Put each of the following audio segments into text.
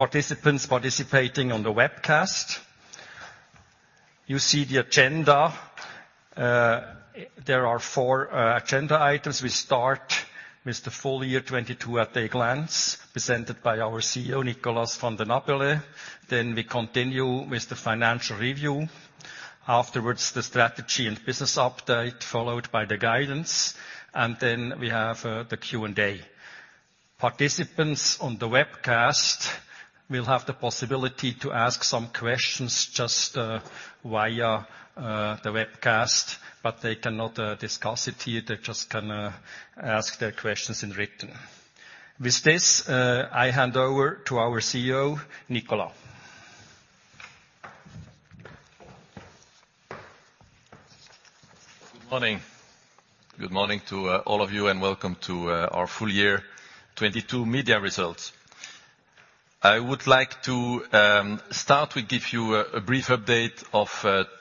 Participants participating on the webcast, you see the agenda. There are four agenda items. We start with the full year 2022 at a glance, presented by our CEO, Nicolas Vanden Abeele. We continue with the financial review. The strategy and business update, followed by the guidance. We have the Q&A. Participants on the webcast will have the possibility to ask some questions just via the webcast, but they cannot discuss it here. They just can ask their questions in written. I hand over to our CEO, Nicolas. Good morning. Good morning to all of you, welcome to our Full Year 2022 Media results. I would like to start with give you a brief update of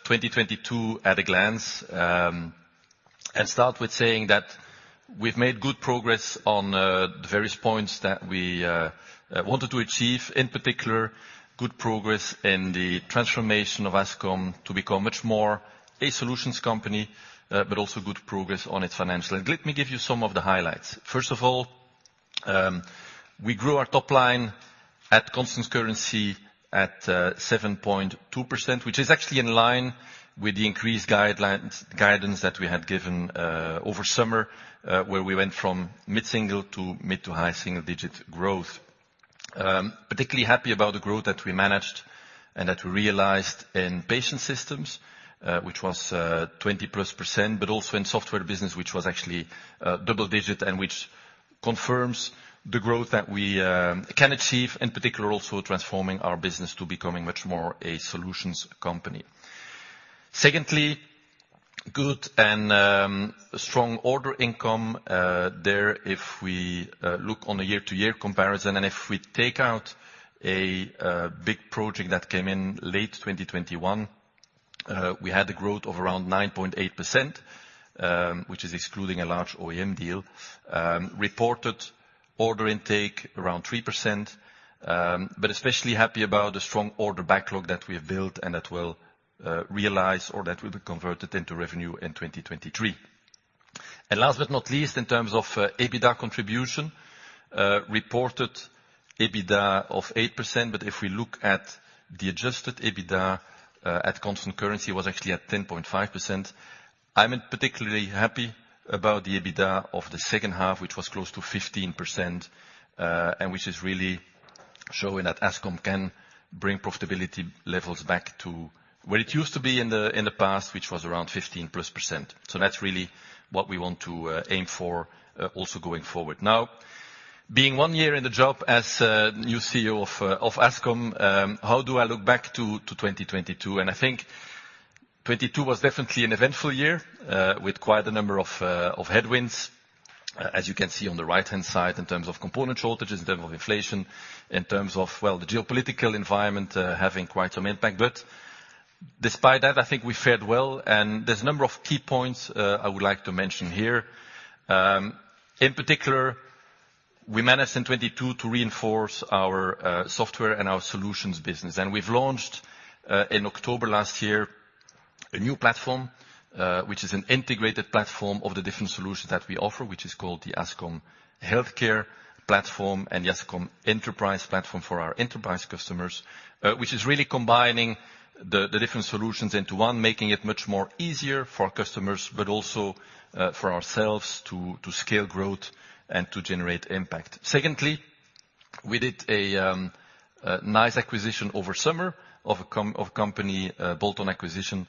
2022 at a glance. Start with saying that we've made good progress on the various points that we wanted to achieve. In particular, good progress in the transformation of Ascom to become much more a solutions company, but also good progress on its financial end. Let me give you some of the highlights. First of all, we grew our top line at constant currency at 7.2%, which is actually in line with the increased guidance that we had given over summer, where we went from mid-single to mid-to-high single digit growth. Particularly happy about the growth that we managed and that we realized in patient systems, which was 20%+, but also in software business, which was actually double digit and which confirms the growth that we can achieve, in particular also transforming our business to becoming much more a solutions company. Secondly, good and strong order income there if we look on a year-over-year comparison. If we take out a big project that came in late 2021, we had a growth of around 9.8%, which is excluding a large OEM deal. Reported order intake around 3%, but especially happy about the strong order backlog that we have built and that will realize or that will be converted into revenue in 2023. Last but not least, in terms of EBITDA contribution, reported EBITDA of 8%. If we look at the Adjusted EBITDA, at constant currency, was actually at 10.5%. I'm particularly happy about the EBITDA of the second half, which was close to 15%, and which is really showing that Ascom can bring profitability levels back to where it used to be in the past, which was around 15 %+. That's really what we want to aim for, also going forward. Now, being one year in the job as new CEO of Ascom, how do I look back to 2022? I think 2022 was definitely an eventful year, with quite a number of headwinds, as you can see on the right-hand side, in terms of component shortages, in terms of inflation, in terms of, well, the geopolitical environment, having quite some impact. Despite that, I think we fared well, and there's a number of key points I would like to mention here. In particular, we managed in 2022 to reinforce our software and our solutions business. We've launched in October last year, a new platform, which is an integrated platform of the different solutions that we offer, which is called the Ascom Healthcare Platform and the Ascom Enterprise Platform for our enterprise customers, which is really combining the different solutions into one, making it much more easier for our customers, but also for ourselves to scale growth and to generate impact. Secondly, we did a nice acquisition over summer of a company, bolt-on acquisition,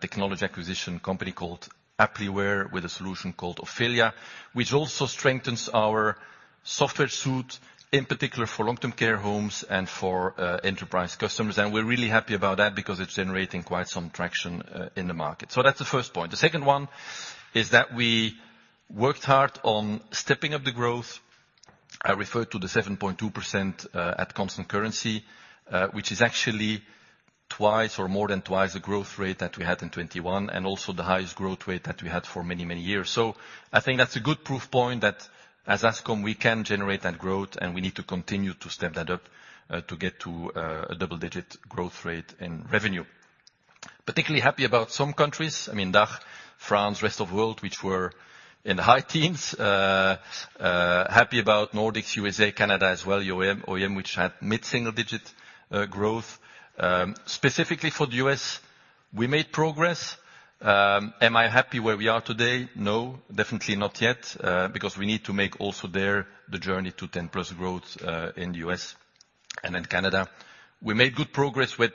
technology acquisition company called Appliware with a solution called Ofelia, which also strengthens our software suite, in particular for long-term care homes and for enterprise customers. We're really happy about that because it's generating quite some traction in the market. That's the first point. The second one is that we worked hard on stepping up the growth. I referred to the 7.2% at constant currency, which is actually twice or more than twice the growth rate that we had in 2021, and also the highest growth rate that we had for many, many years. I think that's a good proof point that as Ascom, we can generate that growth, and we need to continue to step that up to get to a double-digit growth rate in revenue. Particularly happy about some countries. I mean, DACH, France, rest of world, which were in the high teens. Happy about Nordics, USA, Canada as well, OEM, which had mid-single digit growth. Specifically for the U.S., we made progress. Am I happy where we are today? No, definitely not yet, because we need to make also there the journey to 10+ growth in the U.S. and in Canada. We made good progress with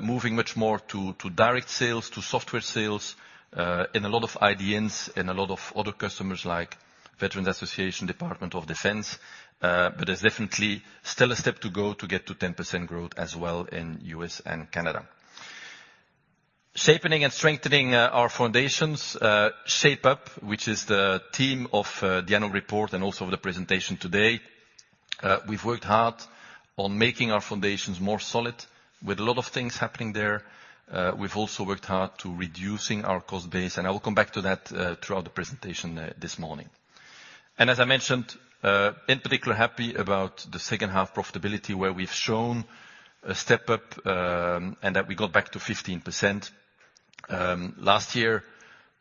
moving much more to direct sales, to software sales, in a lot of IDNs, in a lot of other customers like Department of Veterans Affairs, Department of Defense. But there's definitely still a step to go to get to 10% growth as well in U.S. and Canada. Shaping and strengthening our foundations, Shape Up, which is the theme of the annual report and also of the presentation today. We've worked hard on making our foundations more solid with a lot of things happening there. We've also worked hard to reducing our cost base. I will come back to that throughout the presentation this morning. As I mentioned, in particular, happy about the second half profitability, where we've shown a step up, and that we got back to 15%. Last year,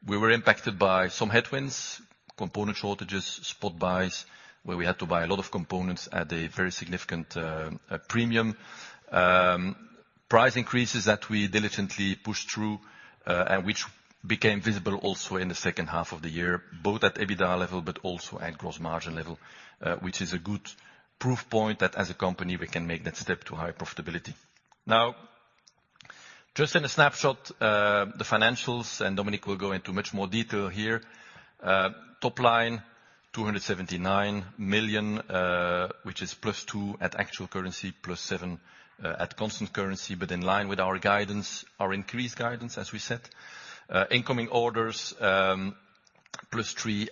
we were impacted by some headwinds, component shortages, spot buys, where we had to buy a lot of components at a very significant premium. Price increases that we diligently pushed through, and which became visible also in the second half of the year, both at EBITDA level but also at gross margin level, which is a good proof point that as a company, we can make that step to higher profitability. Now, just in a snapshot, the financials. Dominik will go into much more detail here. Top line 279 million, which is +2% at actual currency, +7% at constant currency, in line with our guidance, our increased guidance, as we said. Incoming orders +3%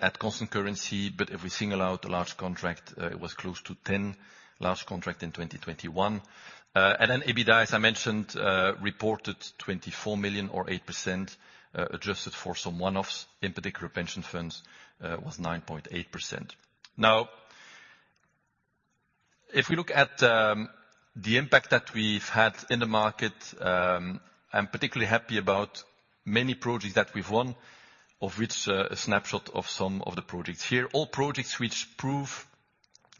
at constant currency. If we single out the large contract, it was close to 10, large contract in 2021. Then EBITDA, as I mentioned, reported 24 million or 8%, adjusted for some one-offs. In particular, pension funds, was 9.8%. If we look at the impact that we've had in the market, I'm particularly happy about many projects that we've won, of which a snapshot of some of the projects here. All projects which prove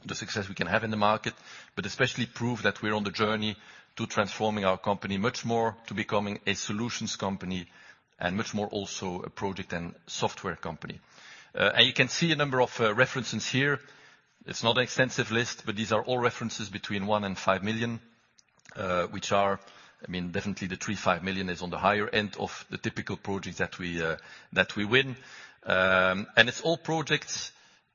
the success we can have in the market, but especially prove that we're on the journey to transforming our company much more to becoming a solutions company and much more also a project and software company. You can see a number of references here. It's not an extensive list, but these are all references between 1 million and 5 million, which are. I mean, definitely the 3 million-5 million is on the higher end of the typical projects that we win. It's all projects,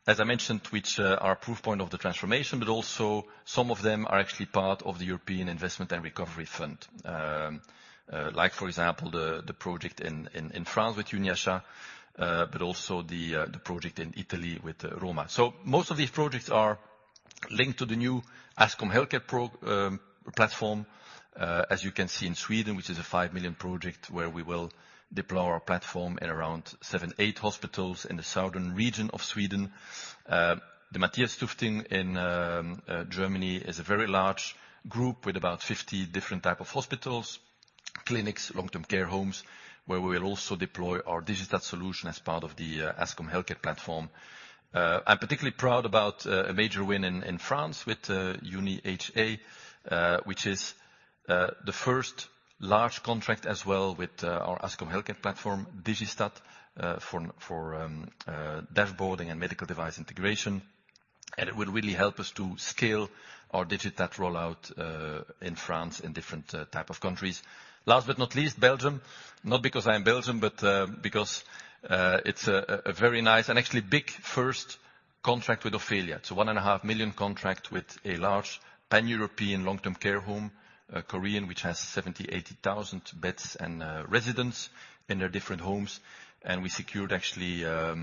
as I mentioned, which are proof point of the transformation, but also some of them are actually part of the European Investment and Recovery Fund. Like for example, the project in France with UniHA, but also the project in Italy with Roma. Most of these projects are linked to the new Ascom Healthcare Platform. As you can see in Sweden, which is a 5 million project where we will deploy our platform in around seven, eight hospitals in the southern region of Sweden. The Mathias-Stiftung in Germany is a very large group with about 50 different type of hospitals, clinics, long-term care homes, where we will also deploy our digital solution as part of the Ascom Healthcare Platform. I'm particularly proud about a major win in France with UniHA, which is the first large contract as well with our Ascom Healthcare Platform, Digistat, for bed boarding and medical device integration. It would really help us to scale our Digistat rollout in France, in different type of countries. Last but not least, Belgium. Not because I am Belgian, but because it's a very nice and actually big first contract with Ofelia. It's a one and a half million contract with a large Pan-European long-term care home, Korian, which has 70,000-80,000 beds and residents in their different homes. We secured actually a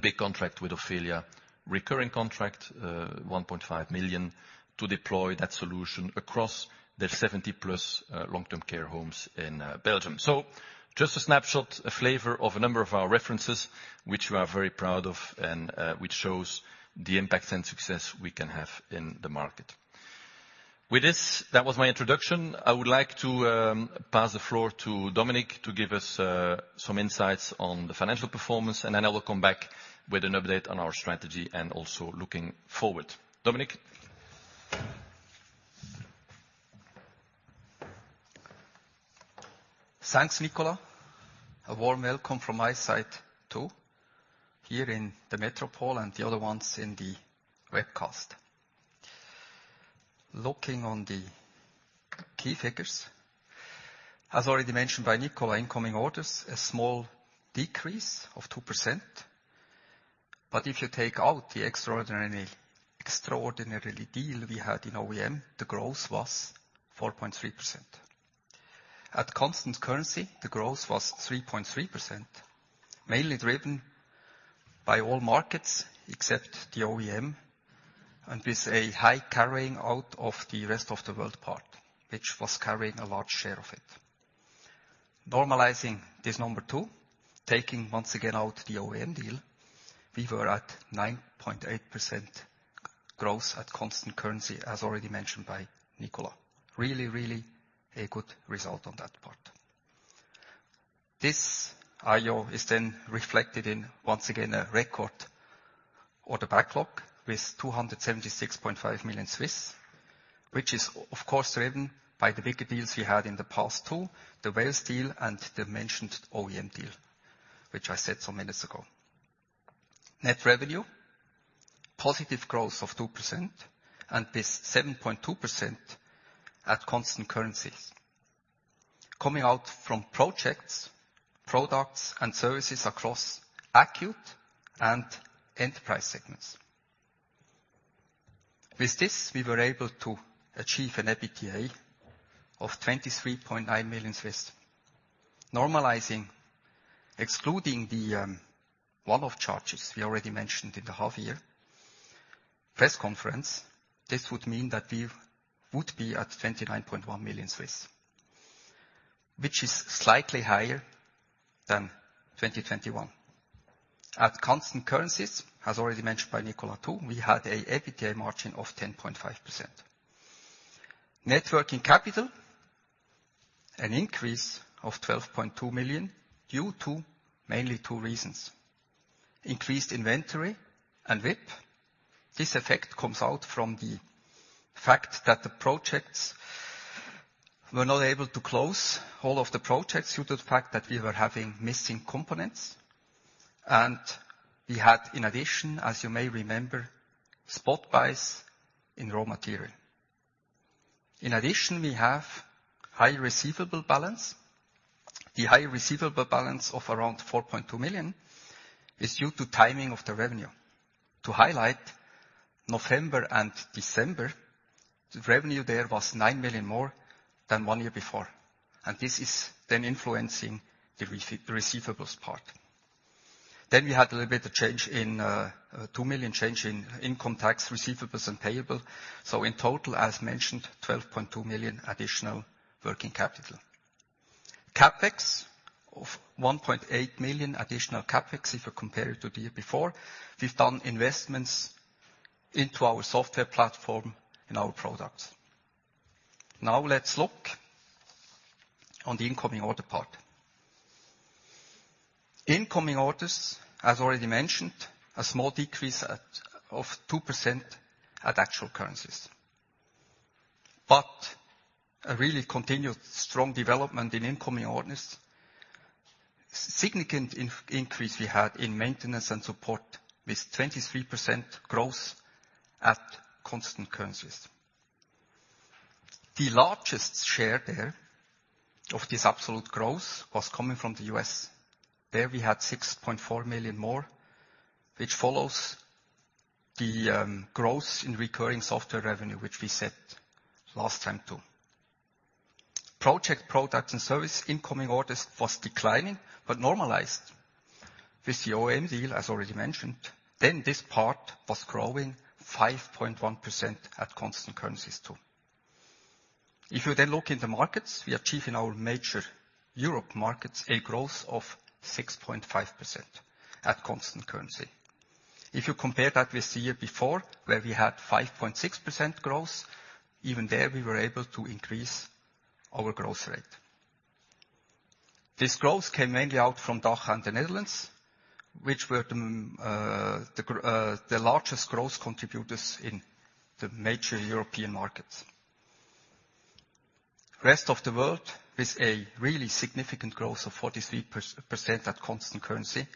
big contract with Ofelia, recurring contract, 1.5 million, to deploy that solution across their 70+ long-term care homes in Belgium. Just a snapshot, a flavor of a number of our references, which we are very proud of and which shows the impact and success we can have in the market. With this, that was my introduction. I would like to pass the floor to Dominik to give us some insights on the financial performance, and then I will come back with an update on our strategy and also looking forward. Dominik? Thanks, Nicolas. A warm welcome from my side, too, here in the Metropol and the other ones in the webcast. Looking on the key figures, as already mentioned by Nicolas, incoming orders, a small decrease of 2%. If you take out the extraordinarily deal we had in OEM, the growth was 4.3%. At constant currency, the growth was 3.3%, mainly driven by all markets except the OEM, with a high carrying out of the rest of the world part, which was carrying a large share of it. Normalizing this number too, taking once again out the OEM deal, we were at 9.8% ..growth at constant currency, as already mentioned by Nicolas. Really a good result on that part. This IO is reflected in, once again, a record order backlog with 276.5 million, which is of course driven by the bigger deals we had in the past too, the Wales deal and the mentioned OEM deal, which I said some minutes ago. Net revenue, positive growth of 2%. This 7.2% at constant currencies. Coming out from projects, products, and services across acute and enterprise segments. With this, we were able to achieve an EBITDA of 23.9 million. Normalizing, excluding the one-off charges we already mentioned in the half-year press conference, this would mean that we would be at 29.1 million, which is slightly higher than 2021. At constant currencies, as already mentioned by Nicolas too, we had an EBITDA margin of 10.5%. Net working capital, an increase of 12.2 million due to mainly two reasons. Increased inventory and WIP. This effect comes out from the fact that the projects were not able to close all of the projects due to the fact that we were having missing components. We had, in addition, as you may remember, spot buys in raw material. In addition, we have high receivable balance. The high receivable balance of around 4.2 million is due to timing of the revenue. To highlight November and December, the revenue there was 9 million more than one year before, and this is then influencing the receivables part. We had a little bit of change in 2 million change in income tax receivables and payable. In total, as mentioned, 12.2 million additional working capital. CapEx of 1.8 million additional CapEx if you compare it to the year before. We've done investments into our software platform and our products. Let's look on the incoming order part. Incoming orders, as already mentioned, a small decrease of 2% at actual currencies. A really continued strong development in incoming orders. Significant increase we had in maintenance and support with 23% growth at constant currencies. The largest share there of this absolute growth was coming from the U.S. There we had 6.4 million more, which follows the growth in recurring software revenue, which we said last time too. Project products and service incoming orders was declining but normalized with the OEM deal, as already mentioned. This part was growing 5.1% at constant currencies too. You look in the markets, we achieve in our major Europe markets a growth of 6.5% at constant currency. You compare that with the year before, where we had 5.6% growth, even there, we were able to increase our growth rate. This growth came mainly out from DACH and the Netherlands, which were the largest growth contributors in the major European markets. Rest of the world with a really significant growth of 43% at constant currency,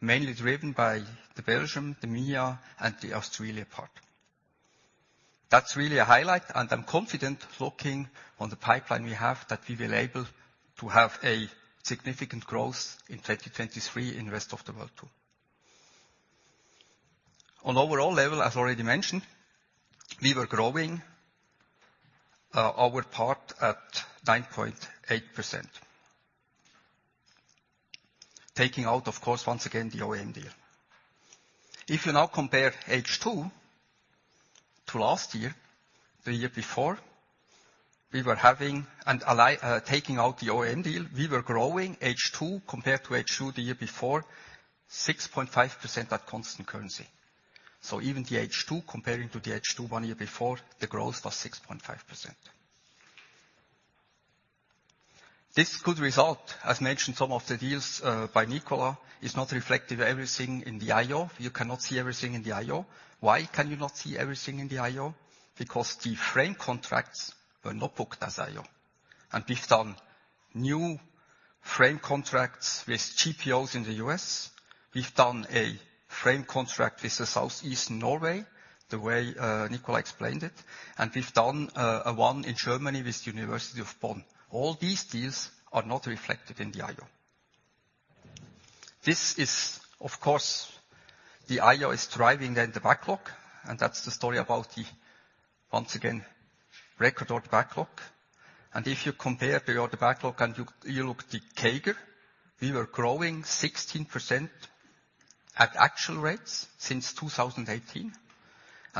mainly driven by Belgium, MEA, and Australia part. That's really a highlight, and I'm confident looking on the pipeline we have that we will able to have a significant growth in 2023 in rest of the world too. On overall level, as already mentioned, we were growing our part at 9.8%. Taking out, of course, once again, the OEM deal. If you now compare H2 to last year, the year before, taking out the OEM deal, we were growing H2 compared to H2 the year before, 6.5% at constant currency. Even the H2 comparing to the H2 one year before, the growth was 6.5%. This good result, as mentioned some of the deals by Nicolas, is not reflective of everything in the IO. You cannot see everything in the IO. Why can you not see everything in the IO? Because the frame contracts were not booked as IO. We've done new frame contracts with GPOs in the U.S. We've done a frame contract with the Southeast Norway, the way Nicolas explained it. We've done one in Germany with University of Bonn. All these deals are not reflected in the IO. This is, of course, the IO is driving then the backlog, and that's the story about the, once again, record order backlog. If you compare the order backlog and you look at the CAGR, we were growing 16% at actual rates since 2018.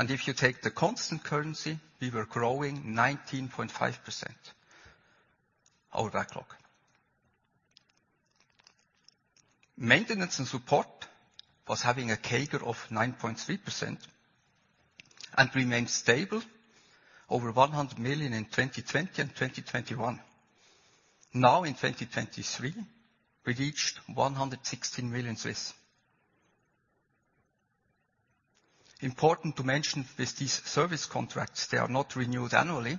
If you take the constant currency, we were growing 19.5% our backlog. Maintenance and support was having a CAGR of 9.3% and remained stable over 100 million in 2020 and 2021. In 2023, we reached CHF 116 million. Important to mention with these service contracts, they are not renewed annually.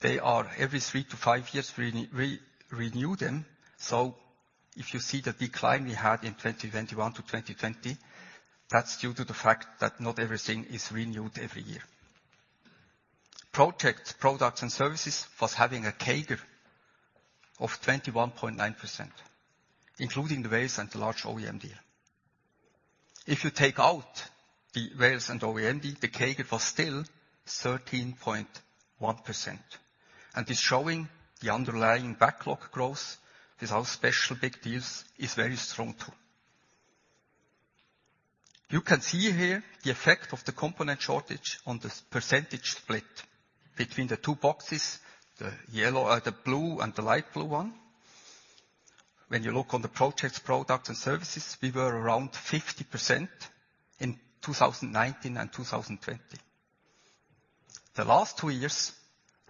They are every three to five years renew them. If you see the decline we had in 2021 to 2020, that's due to the fact that not everything is renewed every year. Projects, products, and services was having a CAGR of 21.9%, including the Wales and the large OEM deal. If you take out the Wales and OEM deal, the CAGR was still 13.1%. It's showing the underlying backlog growth. Without special big deals is very strong too. You can see here the effect of the component shortage on this percentage split between the two boxes, the blue and the light blue one. When you look on the projects, products, and services, we were around 50% in 2019 and 2020. The last two years,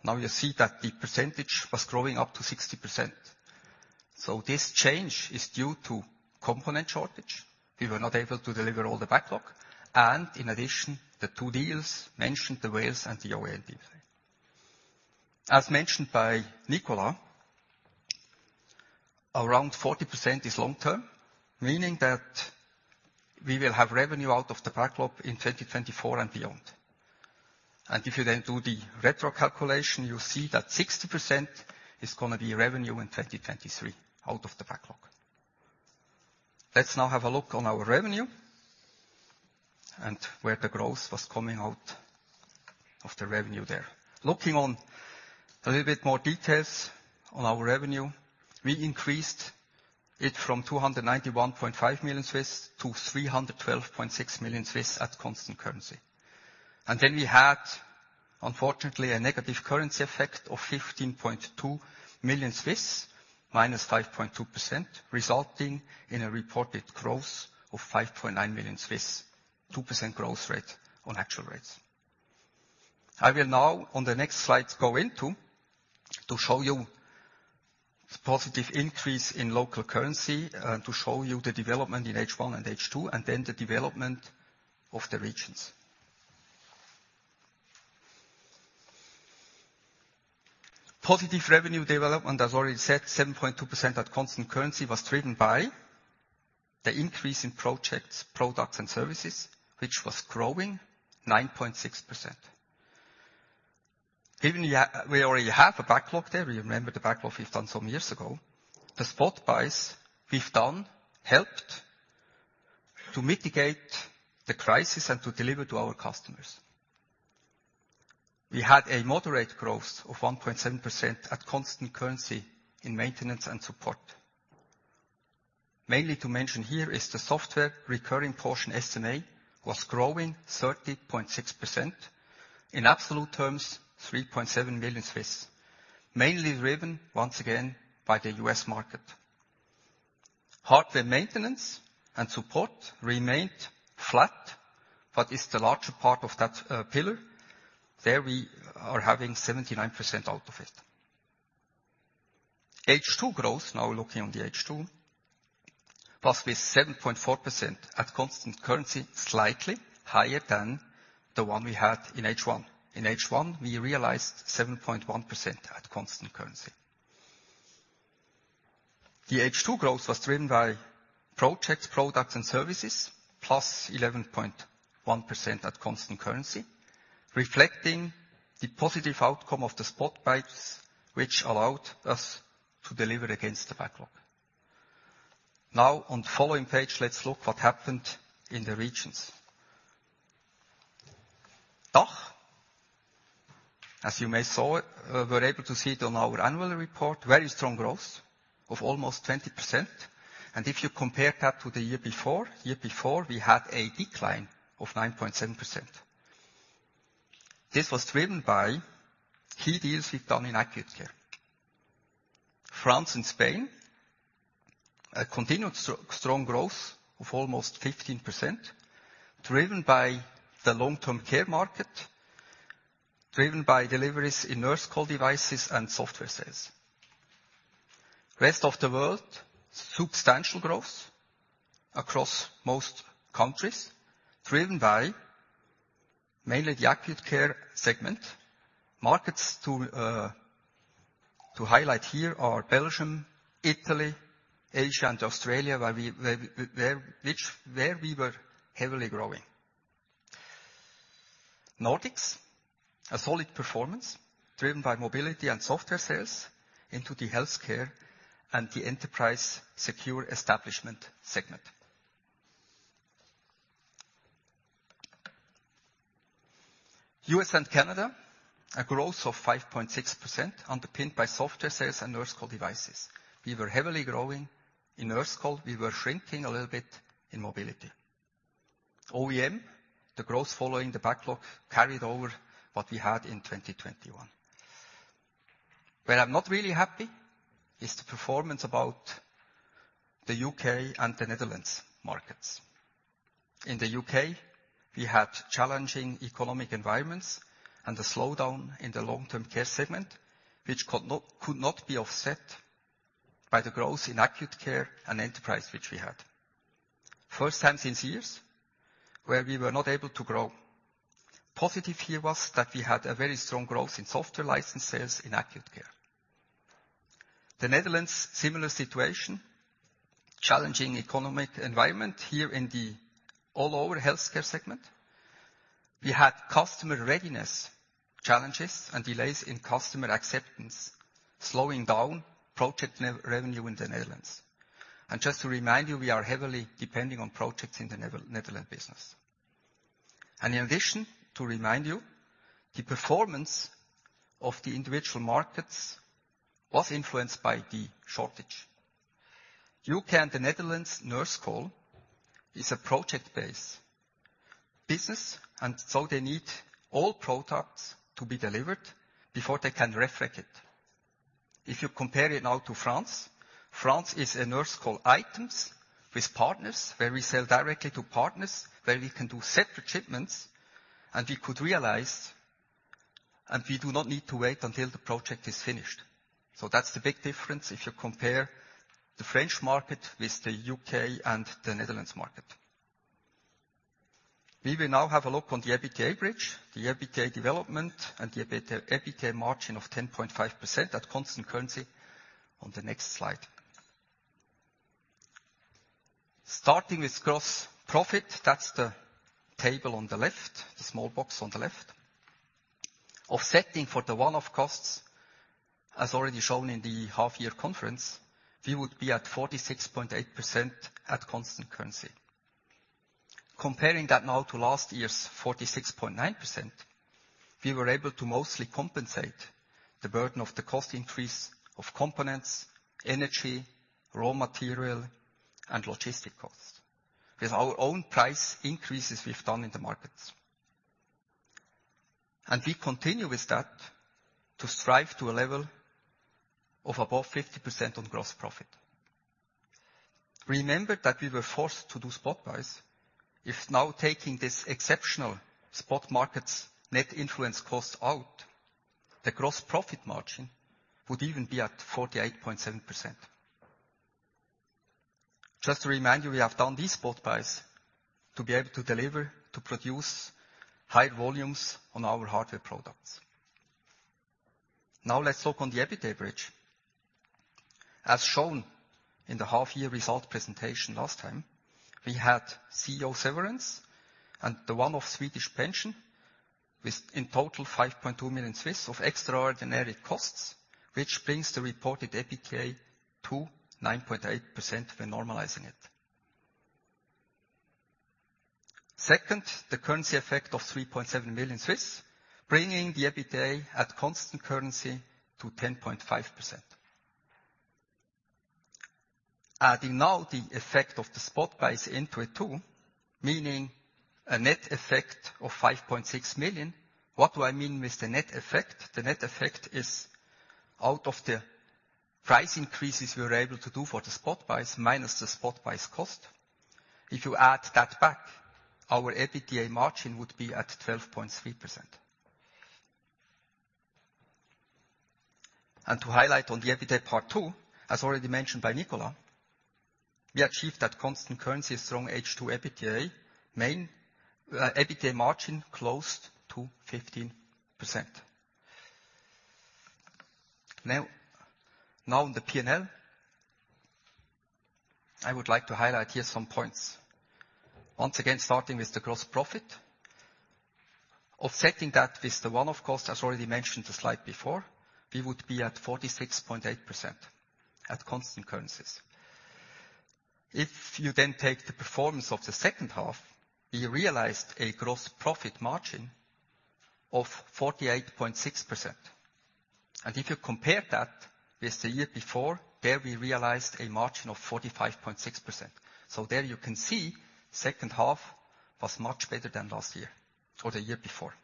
now you see that the percentage was growing up to 60%. This change is due to component shortage. We were not able to deliver all the backlog and in addition, the two deals mentioned, the Wales and the OEM deal. As mentioned by Nicolas, around 40% is long-term, meaning that we will have revenue out of the backlog in 2024 and beyond. If you then do the retro calculation, you see that 60% is gonna be revenue in 2023 out of the backlog. Let's now have a look on our revenue and where the growth was coming out of the revenue there. Looking on a little bit more details on our revenue, we increased it from 291.5 million to 312.6 million at constant currency. Then we had, unfortunately, a negative currency effect of 15.2 million, -5.2%, resulting in a reported growth of 5.9 million, 2% growth rate on actual rates. I will now, on the next slide, go into to show you the positive increase in local currency to show you the development in H1 and H2, and then the development of the regions. Positive revenue development, as already said, 7.2% at constant currency was driven by the increase in projects, products, and services, which was growing 9.6%. Even we already have a backlog there. You remember the backlog we've done some years ago. The spot buys we've done helped to mitigate the crisis and to deliver to our customers. We had a moderate growth of 1.7% at constant currency in maintenance and support. Mainly to mention here is the software recurring portion SMA was growing 13.6%. In absolute terms, 3.7 million. Mainly driven, once again, by the U.S. market. Hardware maintenance and support remained flat, but is the larger part of that pillar. There we are having 79% out of it. H2 growth, now looking on the H2, was with 7.4% at constant currency, slightly higher than the one we had in H1. In H1, we realized 7.1% at constant currency. The H2 growth was driven by projects, products, and services, plus 11.1% at constant currency, reflecting the positive outcome of the spot buys which allowed us to deliver against the backlog. On following page, let's look what happened in the regions. DACH, as you were able to see it on our annual report, very strong growth of almost 20%. If you compare that to the year before, year before we had a decline of 9.7%. This was driven by key deals we've done in acute care. France and Spain, a continued strong growth of almost 15%, driven by the long-term care market, driven by deliveries in nurse call devices and software sales. Rest of the world, substantial growth across most countries, driven by mainly the acute care segment. Markets to highlight here are Belgium, Italy, Asia, and Australia, where we were heavily growing. Nordics, a solid performance driven by mobility and software sales into the healthcare and the enterprise secure establishment segment. U.S. and Canada, a growth of 5.6% underpinned by software sales and nurse call devices. We were heavily growing in nurse call. We were shrinking a little bit in mobility. OEM, the growth following the backlog carried over what we had in 2021. Where I'm not really happy is the performance about the U.K. and the Netherlands markets. In the U.K., we had challenging economic environments and a slowdown in the long-term care segment, which could not be offset by the growth in acute care and enterprise which we had. First time since years where we were not able to grow. Positive here was that we had a very strong growth in software license sales in acute care. The Netherlands, similar situation, challenging economic environment here in the all over healthcare segment. We had customer readiness challenges and delays in customer acceptance, slowing down project revenue in the Netherlands. Just to remind you, we are heavily depending on projects in the Netherlands business. In addition, to remind you, the performance of the individual markets was influenced by the shortage. U.K. and the Netherlands nurse call is a project-based business, they need all products to be delivered before they can reflect it. If you compare it now to France is a nurse call items with partners, where we sell directly to partners, where we can do separate shipments, and we could realize, and we do not need to wait until the project is finished. That's the big difference if you compare the French market with the U.K. and the Netherlands market. We will now have a look on the EBITDA bridge, the EBITDA development, and the EBITDA margin of 10.5% at constant currency on the next slide. Starting with gross profit, that's the table on the left, the small box on the left. Offsetting for the one-off costs, as already shown in the half year conference, we would be at 46.8% at constant currency. Comparing that now to last year's 46.9%, we were able to mostly compensate the burden of the cost increase of components, energy, raw material, and logistics costs with our own price increases we've done in the markets. We continue with that to strive to a level of above 50% on gross profit. Remember that we were forced to do spot buys. If now taking this exceptional spot markets net influence cost out, the gross profit margin would even be at 48.7%. Just to remind you, we have done these spot buys to be able to deliver, to produce high volumes on our hardware products. Now, let's look on the EBITDA bridge. As shown in the half year result presentation last time, we had CEO severance and the one-off Swedish pension with in total 5.2 million of extraordinary costs, which brings the reported EBITDA to 9.8% when normalizing it. Second, the currency effect of 3.7 million, bringing the EBITDA at constant currency to 10.5%. Adding now the effect of the spot buys into it too, meaning a net effect of 5.6 million. What do I mean with the net effect? The net effect is out of the price increases we were able to do for the spot buys minus the spot buys cost. If you add that back, our EBITDA margin would be at 12.3%. To highlight on the EBITDA part two, as already mentioned by Nicolas, we achieved at constant currency a strong H2 EBITDA margin close to 15%. Now on the P&L, I would like to highlight here some points. Once again, starting with the gross profit. Offsetting that with the one-off cost, as already mentioned the slide before, we would be at 46.8% at constant currencies. You then take the performance of the second half, we realized a gross profit margin of 48.6%. If you compare that with the year before, there we realized a margin of 45.6%. There you can see second half was much better than last year or the year before.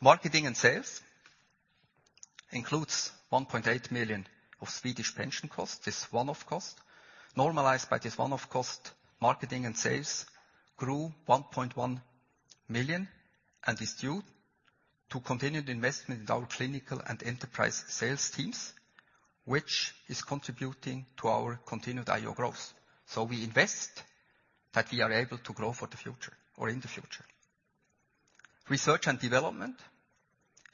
Marketing and sales includes 1.8 million of Swedish pension costs, this one-off cost. Normalized by this one-off cost, marketing and sales grew 1.1 million and is due to continued investment in our clinical and enterprise sales teams, which is contributing to our continued IO growth. We invest that we are able to grow for the future or in the future. Research and development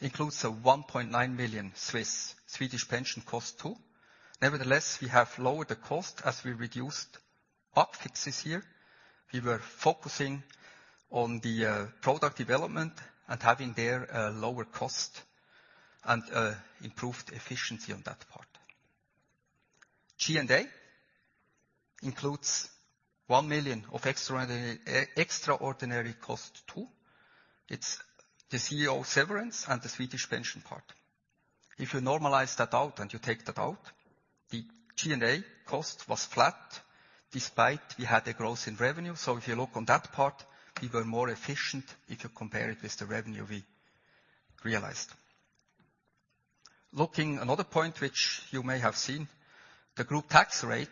includes a 1.9 million Swedish pension cost too. We have lowered the cost as we reduced bug fixes here. We were focusing on the product development and having there a lower cost and improved efficiency on that part. G&A includes 1 million of extraordinary cost too. It's the CEO severance and the Swedish pension part. If you normalize that out and you take that out, the G&A cost was flat despite we had a growth in revenue. If you look on that part, we were more efficient if you compare it with the revenue we realized. Looking another point which you may have seen, the group tax rate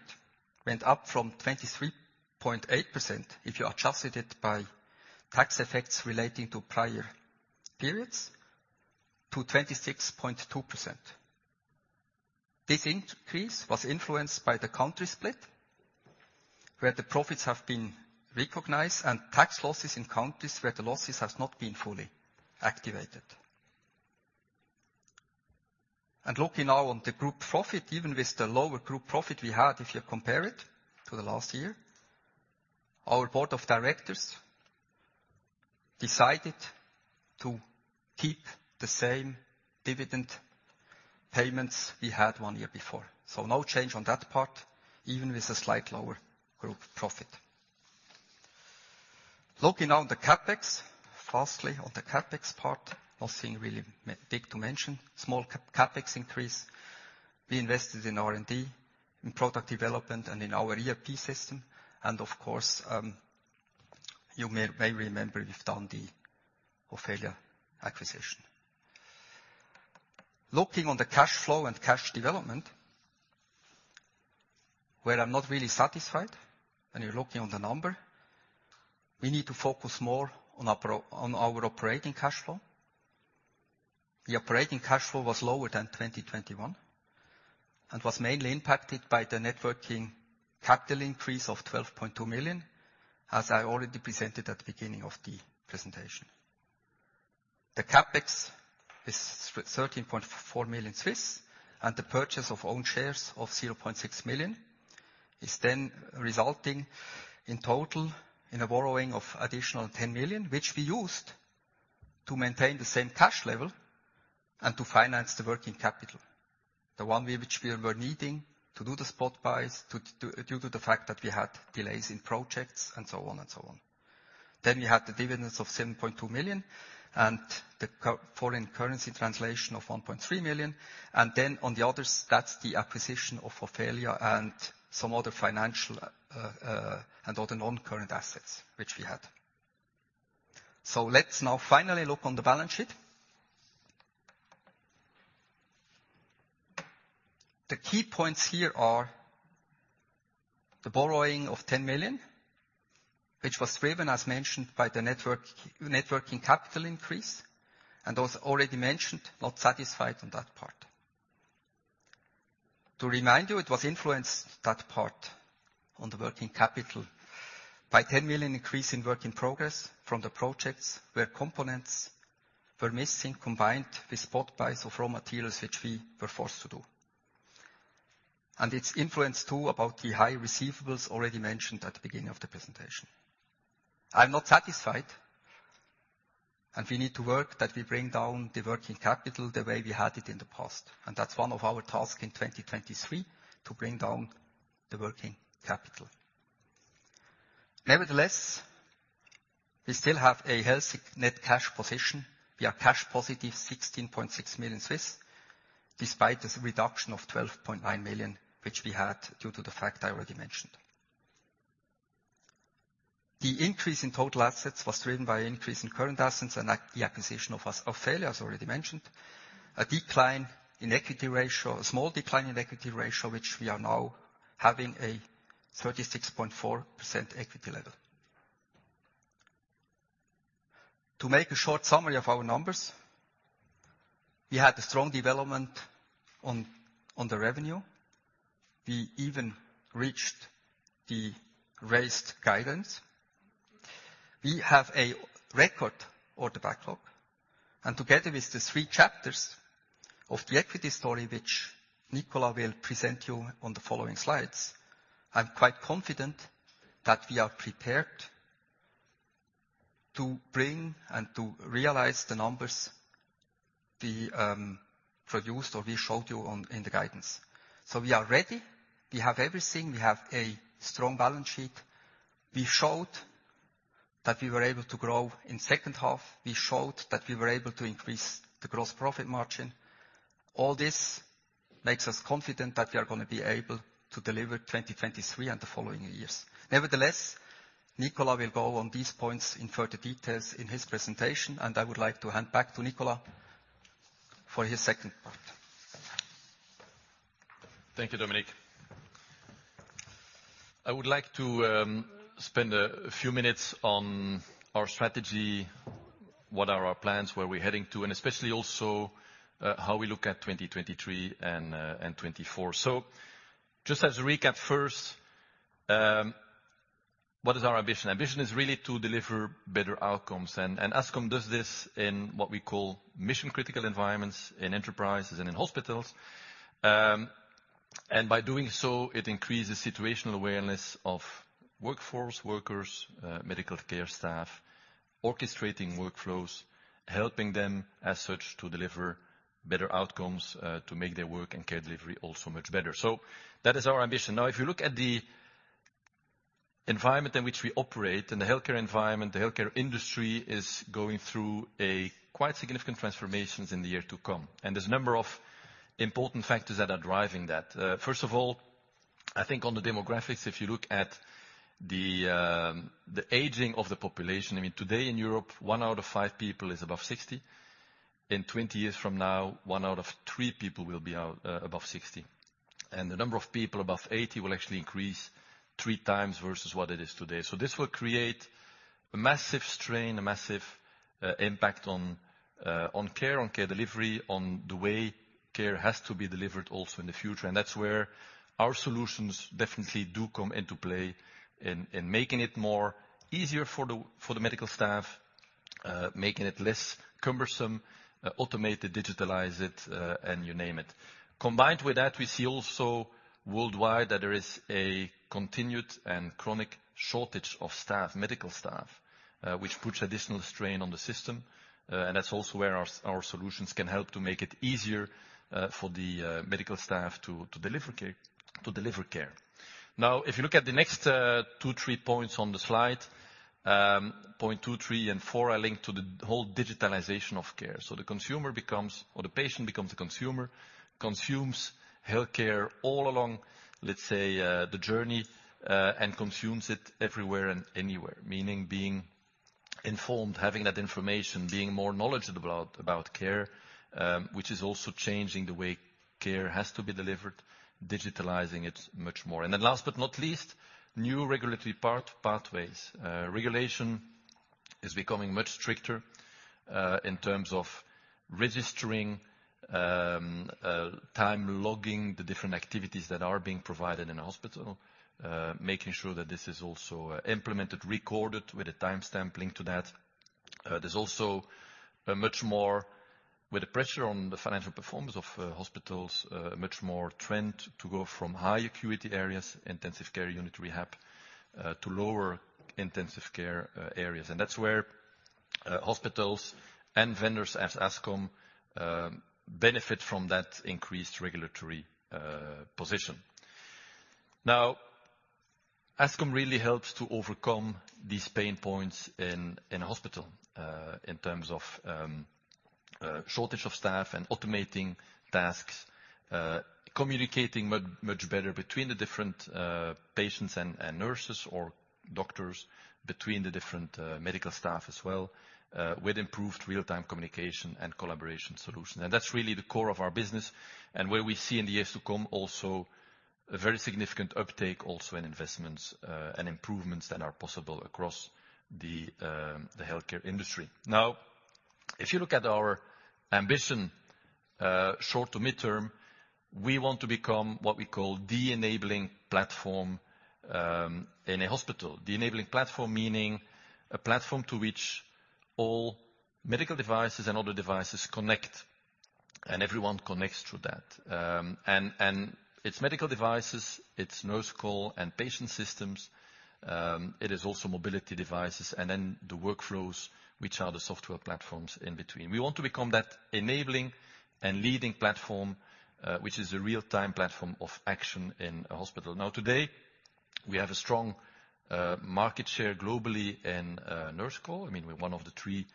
went up from 23.8% if you adjusted it by tax effects relating to prior periods, to 26.2%. This increase was influenced by the country split, where the profits have been recognized and tax losses in countries where the losses has not been fully activated. Looking now on the group profit, even with the lower group profit we had, if you compare it to the last year, our board of directors decided to keep the same dividend payments we had one year before. No change on that part, even with a slight lower group profit. Looking on the CapEx, firstly, on the CapEx part, nothing really big to mention. Small CapEx increase. We invested in R&D, in product development, and in our ERP system. Of course, you may remember we've done the Ofelia acquisition. Looking on the cash flow and cash development, where I'm not really satisfied when you're looking on the number. We need to focus more on our operating cash flow. The operating cash flow was lower than 2021, and was mainly impacted by the net working capital increase of 12.2 million, as I already presented at the beginning of the presentation. The CapEx is 13.4 million, and the purchase of own shares of 0.6 million, is then resulting in total in a borrowing of additional 10 million, which we used to maintain the same cash level and to finance the working capital. The one which we were needing to do the spot buys due to the fact that we had delays in projects and so on. We had the dividends of 7.2 million, and the foreign currency translation of 1.3 million. On the others, that's the acquisition of Ofelia and some other financial and other non-current assets which we had. Let's now finally look on the balance sheet. The key points here are the borrowing of 10 million, which was driven, as mentioned, by the networking capital increase, and was already mentioned, not satisfied on that part. To remind you, it was influenced that part on the working capital by 10 million increase in work in progress from the projects where components were missing, combined with spot buys of raw materials which we were forced to do. It's influenced too about the high receivables already mentioned at the beginning of the presentation. I'm not satisfied. We need to work that we bring down the working capital the way we had it in the past, and that's one of our tasks in 2023, to bring down the working capital. Nevertheless, we still have a healthy net cash position. We are cash positive 16.6 million, despite the reduction of 12.9 million, which we had due to the fact I already mentioned. The increase in total assets was driven by increase in current assets and the acquisition of Ofelia already mentioned. A small decline in equity ratio, which we are now having a 36.4% equity level. To make a short summary of our numbers, we had a strong development on the revenue. We even reached the raised guidance. We have a record order backlog. Together with the three chapters of the equity story, which Nicolas will present you on the following slides, I'm quite confident that we are prepared to bring and to realize the numbers we produced, or we showed you on, in the guidance. We are ready. We have everything. We have a strong balance sheet. We showed that we were able to grow in second half. We showed that we were able to increase the gross profit margin. All this makes us confident that we are gonna be able to deliver 2023 and the following years. Nevertheless, Nicolas will go on these points in further details in his presentation. I would like to hand back to Nicolas for his second part. Thank you, Dominik. I would like to spend a few minutes on our strategy, what are our plans, where we're heading to, and especially also how we look at 2023 and 2024. Just as a recap first, what is our ambition? Ambition is really to deliver better outcomes. Ascom does this in what we call mission-critical environments, in enterprises and in hospitals. By doing so, it increases situational awareness of workforce workers, medical care staff, orchestrating workflows, helping them as such to deliver better outcomes, to make their work and care delivery also much better. That is our ambition. Now, if you look at the environment in which we operate, in the healthcare environment, the healthcare industry is going through a quite significant transformations in the year to come. There's a number of important factors that are driving that. first of all, I think on the demographics, if you look at the aging of the population, I mean, today in Europe, one out of five people is above 60. In 20 years from now, one out of three people will be out, above 60. The number of people above 80 will actually increase three times versus what it is today. This will create a massive strain, a massive, impact on care, on care delivery, on the way care has to be delivered also in the future. That's where our solutions definitely do come into play in making it more easier for the, for the medical staff, making it less cumbersome, automate it, digitalize it, and you name it. Combined with that, we see also worldwide that there is a continued and chronic shortage of staff, medical staff, which puts additional strain on the system. That's also where our solutions can help to make it easier for the medical staff to deliver care. Now, if you look at the next two, three points on the slide, point two, three, and four are linked to the whole digitalization of care. The consumer becomes... or the patient becomes the consumer, consumes healthcare all along, let's say, the journey, and consumes it everywhere and anywhere. Meaning being informed, having that information, being more knowledgeable about care, which is also changing the way care has to be delivered, digitalizing it much more. Last but not least, new regulatory pathways. Regulation is becoming much stricter in terms of registering, time logging the different activities that are being provided in a hospital, making sure that this is also implemented, recorded with a timestamp linked to that. There's also a much more trend to go from high acuity areas, intensive care unit, rehab, to lower intensive care areas. That's where hospitals and vendors, as Ascom, benefit from that increased regulatory position. Now, Ascom really helps to overcome these pain points in a hospital in terms of shortage of staff and automating tasks, communicating much better between the different patients and nurses or doctors, between the different medical staff as well, with improved real-time communication and collaboration solution. That's really the core of our business, and where we see in the years to come also a very significant uptake also in investments, and improvements that are possible across the healthcare industry. If you look at our ambition, short to midterm, we want to become what we call the enabling platform in a hospital. The enabling platform meaning a platform to which all medical devices and other devices connect, and everyone connects through that. And it's medical devices, it's nurse call and patient systems, it is also mobility devices, and then the workflows, which are the software platforms in between. We want to become that enabling and leading platform, which is a real-time platform of action in a hospital. Today, we have a strong market share globally in nurse call. I mean, we're one of the three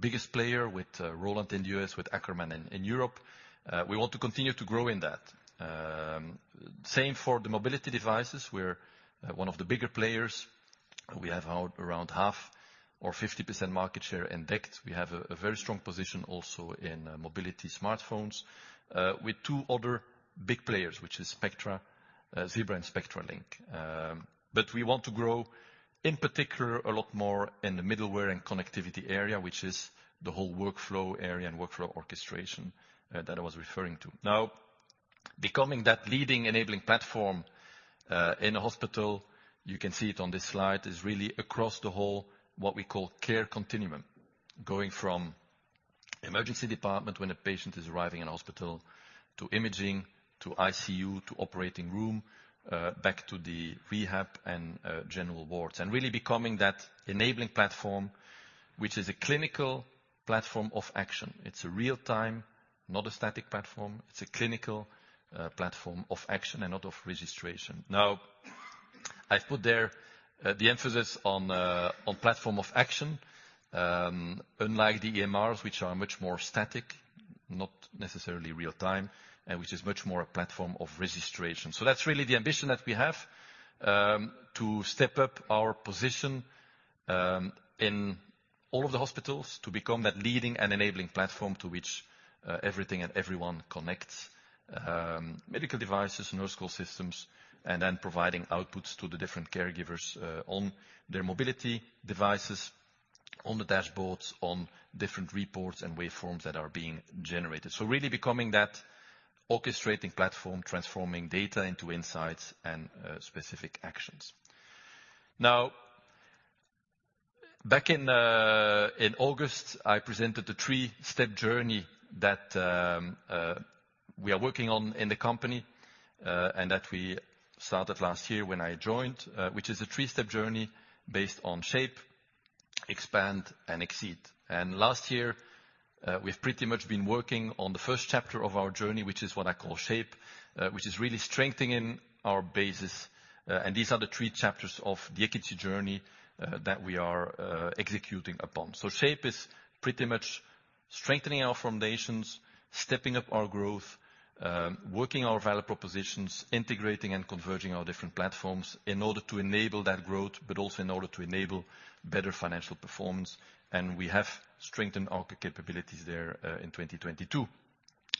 biggest player with Rauland in the U.S., with Ackermann in Europe. We want to continue to grow in that. Same for the mobility devices. We're one of the bigger players. We have around half or 50% market share in DECT. We have a very strong position also in mobility smartphones, with two other big players, which is Zebra and Spectralink. We want to grow in particular a lot more in the middleware and connectivity area, which is the whole workflow area and workflow orchestration that I was referring to. Now, becoming that leading enabling platform in a hospital, you can see it on this slide, is really across the whole what we call care continuum. Going from emergency department when a patient is arriving in a hospital, to imaging, to ICU, to operating room, back to the rehab and general wards. Really becoming that enabling platform, which is a clinical platform of action. It's a real-time, not a static platform. It's a clinical platform of action and not of registration. I've put there the emphasis on platform of action. Unlike the EMRs, which are much more static, not necessarily real time, and which is much more a platform of registration. That's really the ambition that we have to step up our position in all of the hospitals to become that leading and enabling platform to which everything and everyone connects. Medical devices, nurse call systems, and then providing outputs to the different caregivers, on their mobility devices, on the dashboards, on different reports and waveforms that are being generated. Really becoming that orchestrating platform, transforming data into insights and specific actions. Back in August, I presented the three-step journey that we are working on in the company, and that we started last year when I joined. Which is a three-step journey based on shape, expand and exceed. Last year, we've pretty much been working on the first chapter of our journey, which is what I call shape. Which is really strengthening our basis. These are the three chapters of the efficiency journey that we are executing upon. Shape is pretty much strengthening our foundations, stepping up our growth, working our value propositions, integrating and converging our different platforms in order to enable that growth, but also in order to enable better financial performance. We have strengthened our capabilities there in 2022.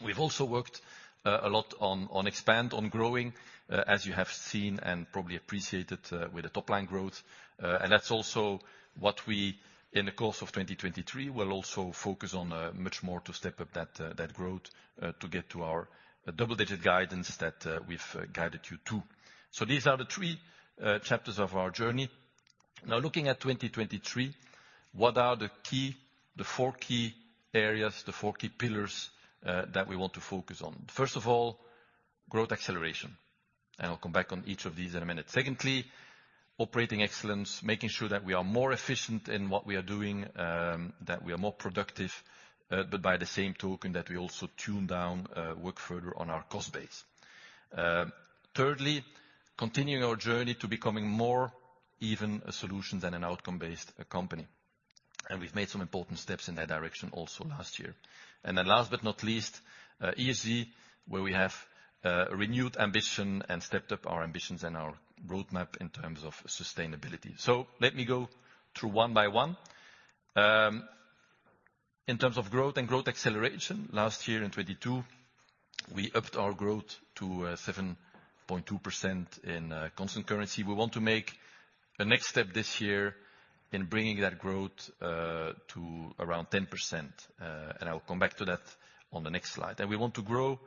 We've also worked a lot on growing as you have seen and probably appreciated with the top line growth. That's also what we, in the course of 2023, will also focus on much more to step up that growth to get to our double-digit guidance that we've guided you to. These are the three chapters of our journey. Now looking at 2023, what are the four key areas, the four key pillars that we want to focus on? First of all, growth acceleration, and I'll come back on each of these in a minute. Secondly, operating excellence, making sure that we are more efficient in what we are doing, that we are more productive, but by the same token, that we also tune down, work further on our cost base. Thirdly, continuing our journey to becoming more even a solution than an outcome-based company, and we've made some important steps in that direction also last year. Last but not least, ESG, where we have renewed ambition and stepped up our ambitions and our roadmap in terms of sustainability. Let me go through one by one. In terms of growth and growth acceleration, last year in 2022, we upped our growth to 7.2% in constant currency. We want to make a next step this year in bringing that growth to around 10%, and I will come back to that on the next slide. We want to grow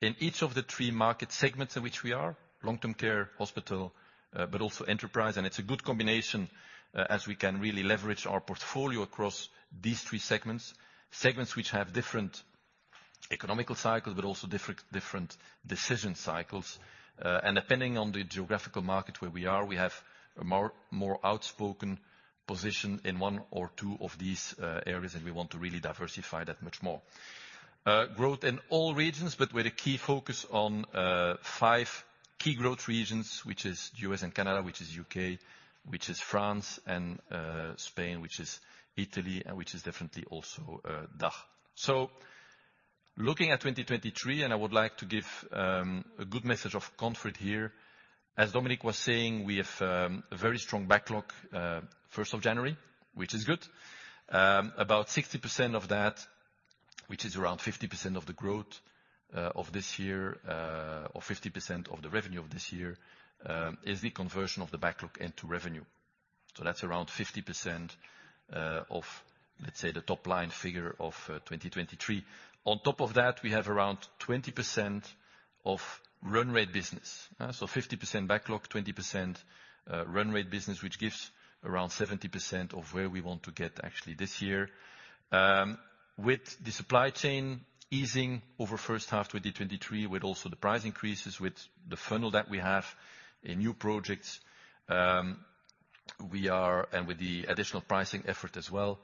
in each of the three market segments in which we are, long-term care, hospital, but also enterprise. It's a good combination as we can really leverage our portfolio across these three segments. Segments which have different economical cycles but also different decision cycles. Depending on the geographical market where we are, we have a more outspoken position in one or two of these areas, and we want to really diversify that much more. Growth in all regions, but with a key focus on five key growth regions, which is U.S.. And Canada, which is U.K., which is France and Spain, which is Italy, and which is definitely also DACH. Looking at 2023, and I would like to give a good message of comfort here. As Dominik was saying, we have a very strong backlog, first of January, which is good. About 60% of that, which is around 50% of the growth of this year, or 50% of the revenue of this year, is the conversion of the backlog into revenue. That's around 50% of, let's say, the top-line figure of 2023. On top of that, we have around 20% of run rate business. Fifty percent backlog, 20% run rate business, which gives around 70% of where we want to get actually this year. With the supply chain easing over first half 2023, with also the price increases, with the funnel that we have in new projects, and with the additional pricing effort as well,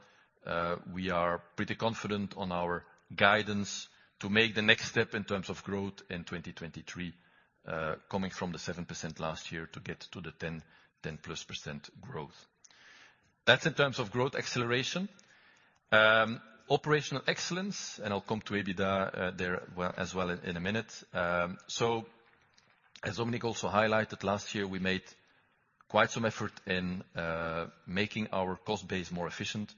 we are pretty confident on our guidance to make the next step in terms of growth in 2023, coming from the 7% last year to get to the 10%+ growth. That's in terms of growth acceleration. Operational excellence, and I'll come to EBITDA as well in a minute. As Dominik also highlighted, last year, we made quite some effort in making our cost base more efficient.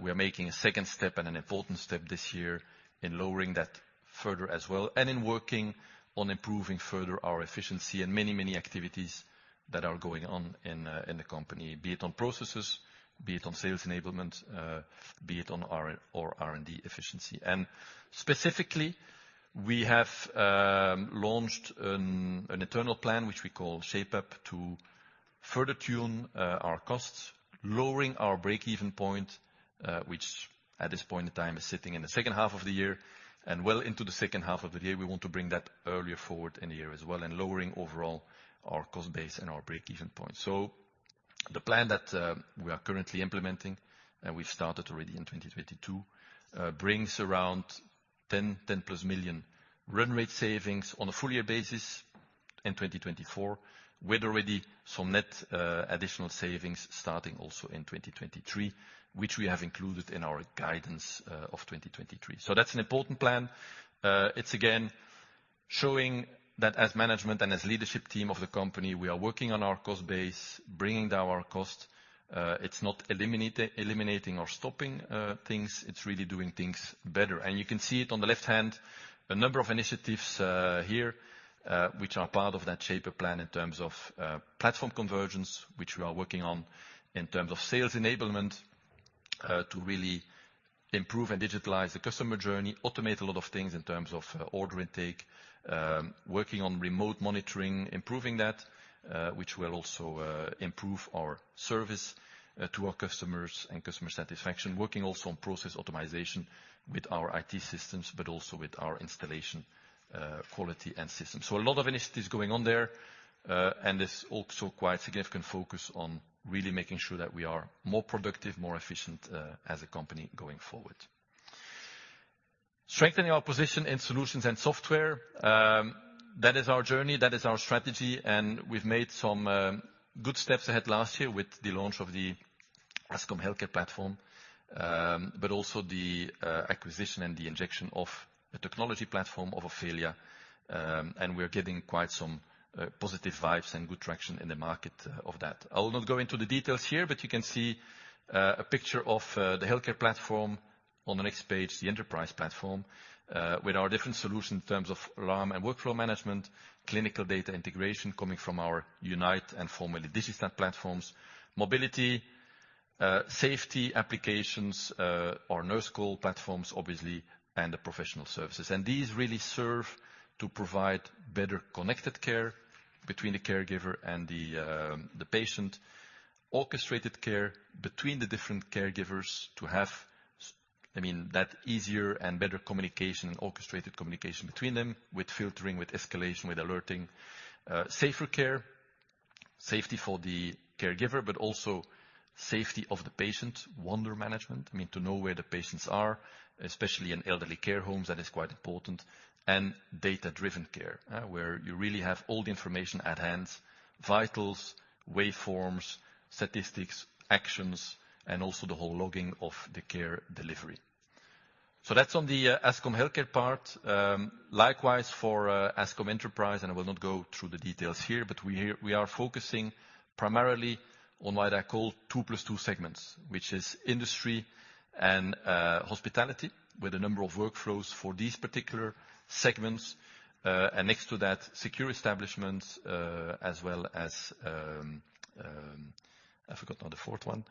We are making a second step and an important step this year in lowering that further as well, and in working on improving further our efficiency and many, many activities that are going on in the company, be it on processes, be it on sales enablement, be it on R&D efficiency. Specifically, we have launched an internal plan, which we call Shape Up, to further tune our costs, lowering our break-even point, which at this point in time is sitting in the second half of the year. Well into the second half of the year, we want to bring that earlier forward in the year as well and lowering overall our cost base and our break-even point. The plan that we are currently implementing, and we've started already in 2022, brings around 10+ million run rate savings on a full year basis in 2024, with already some net additional savings starting also in 2023, which we have included in our guidance of 2023. That's an important plan. It's again showing that as management and as leadership team of the company, we are working on our cost base, bringing down our cost. It's not eliminating or stopping things. It's really doing things better. You can see it on the left hand, a number of initiatives, here, which are part of that Shape-up plan in terms of platform convergence, which we are working on in terms of sales enablement, to really improve and digitalize the customer journey, automate a lot of things in terms of order intake, working on remote monitoring, improving that, which will also improve our service to our customers and customer satisfaction. Working also on process optimization with our IT systems, but also with our installation quality and systems. A lot of initiatives going on there, and there's also quite significant focus on really making sure that we are more productive, more efficient, as a company going forward. Strengthening our position in solutions and software, that is our journey. That is our strategy. We've made some good steps ahead last year with the launch of the Ascom Healthcare Platform, but also the acquisition and the injection of the technology platform of Ofelia. We're getting quite some positive vibes and good traction in the market of that. I will not go into the details here, but you can see a picture of the Ascom Healthcare Platform on the next page, the Ascom Enterprise Platform, with our different solutions in terms of alarm and workflow management, clinical data integration coming from our Unite and formerly Digistat platforms, mobility, safety applications, or nurse call platforms obviously, and the professional services. These really serve to provide better connected care between the caregiver and the patient. Orchestrated care between the different caregivers to have, I mean, that easier and better communication, orchestrated communication between them with filtering, with escalation, with alerting. Safer care, safety for the caregiver, but also safety of the patient. Wander management, I mean, to know where the patients are, especially in elderly care homes, that is quite important. Data-driven care, where you really have all the information at hand, vitals, waveforms, statistics, actions, and also the whole logging of the care delivery. That's on the Ascom Healthcare part. Likewise for Ascom Enterprise, and I will not go through the details here, but we are focusing primarily on what I call two plus two segments, which is industry and hospitality, with a number of workflows for these particular segments. Next to that, secure establishments, as well as... I forgot now the fourth one.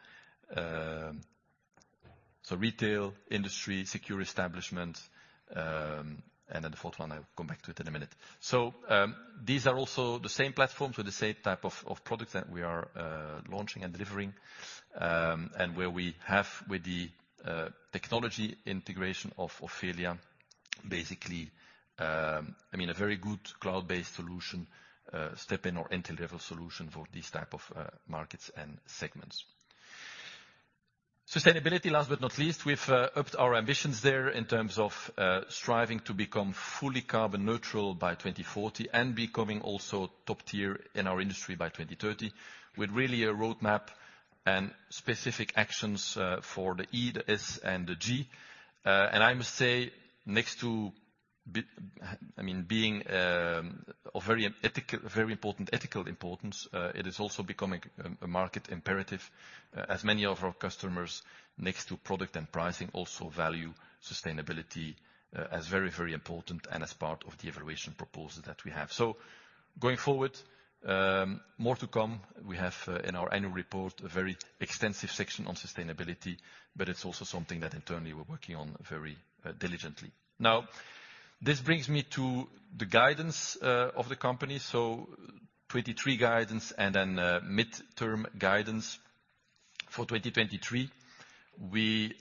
Retail, industry, secure establishment, the fourth one I'll come back to it in a minute. These are also the same platforms with the same type of products that we are launching and delivering. Where we have with the technology integration of Ofelia, basically, I mean a very good cloud-based solution, step in or entry-level solution for these type of markets and segments. Sustainability, last but not least. We've upped our ambitions there in terms of striving to become fully carbon neutral by 2040, and becoming also top tier in our industry by 2030, with really a roadmap and specific actions for the E, the S, and the G. I must say, next to I mean, being of very important ethical importance, it is also becoming a market imperative, as many of our customers next to product and pricing also value sustainability, as very, very important and as part of the evaluation proposal that we have. Going forward, more to come. We have in our annual report a very extensive section on sustainability, but it's also something that internally we're working on very diligently. Now, this brings me to the guidance of the company. 2023 guidance and then midterm guidance for 2023. We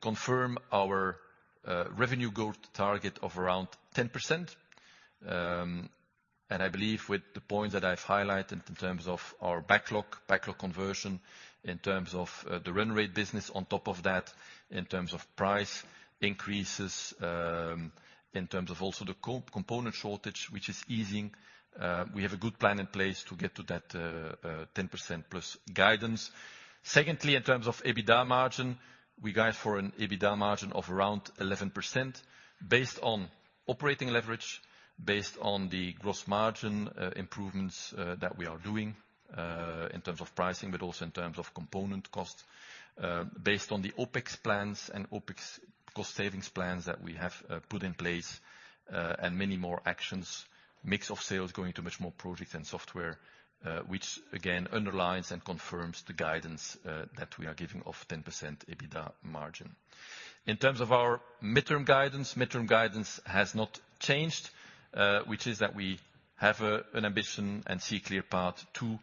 confirm our revenue growth target of around 10%. I believe with the points that I've highlighted in terms of our backlog conversion, in terms of the run rate business on top of that, in terms of price increases, in terms of also the component shortage, which is easing, we have a good plan in place to get to that 10%+ guidance. Secondly, in terms of EBITDA margin, we guide for an EBITDA margin of around 11% based on operating leverage, based on the gross margin improvements that we are doing in terms of pricing, but also in terms of component cost. Based on the OpEx plans and OpEx cost savings plans that we have put in place, and many more actions, mix of sales going to much more project and software, which again underlines and confirms the guidance that we are giving of 10% EBITDA margin. In terms of our midterm guidance, midterm guidance has not changed, which is that we have an ambition and see clear path to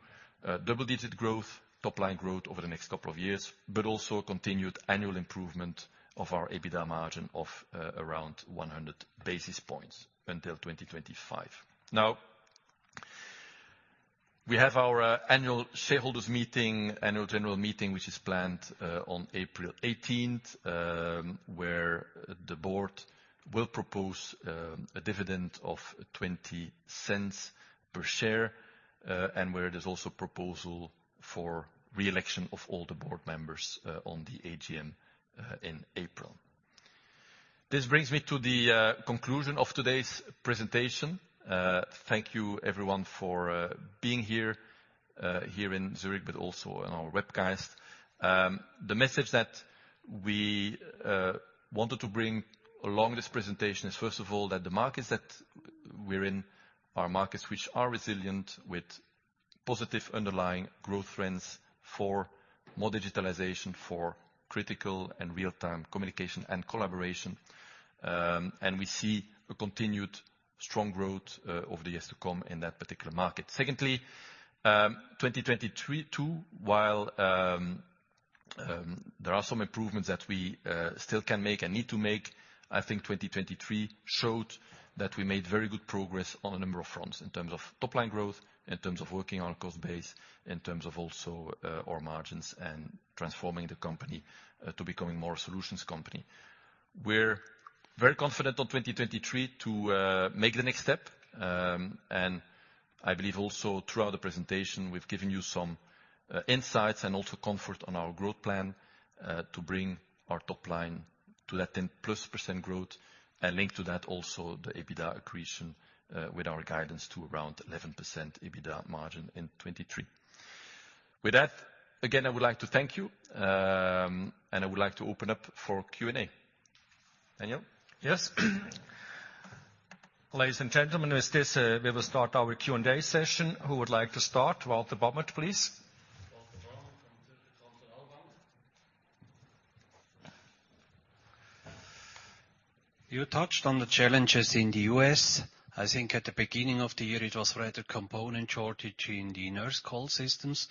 double-digit growth, top-line growth over the next couple of years, but also continued annual improvement of our EBITDA margin of around 100 basis points until 2025. We have our annual shareholders meeting, annual general meeting, which is planned on April 18th, where the board will propose a dividend of 0.20 per share, and where there's also proposal for re-election of all the board members on the AGM in April. This brings me to the conclusion of today's presentation. Thank you everyone for being here in Zurich, but also on our webcast. The message that we wanted to bring along this presentation is, first of all, that the markets that we're in are markets which are resilient with positive underlying growth trends for more digitalization, for critical and real-time communication and collaboration. We see a continued strong growth over the years to come in that particular market. Secondly, 2023 too, while there are some improvements that we still can make and need to make, I think 2023 showed that we made very good progress on a number of fronts in terms of top-line growth, in terms of working on our cost base, in terms of also our margins and transforming the company to becoming more a solutions company. We're very confident on 2023 to make the next step. I believe also throughout the presentation we've given you some insights and also comfort on our growth plan to bring our top line to that 10%+ growth and linked to that also the EBITDA accretion with our guidance to around 11% EBITDA margin in 23. With that, again, I would like to thank you, and I would like to open up for Q&A. Daniel? Yes. Ladies and gentlemen, with this, we will start our Q&A session. Who would like to start? Walter Bamert, please. You touched on the challenges in the U.S. I think at the beginning of the year, it was rather component shortage in the nurse call systems.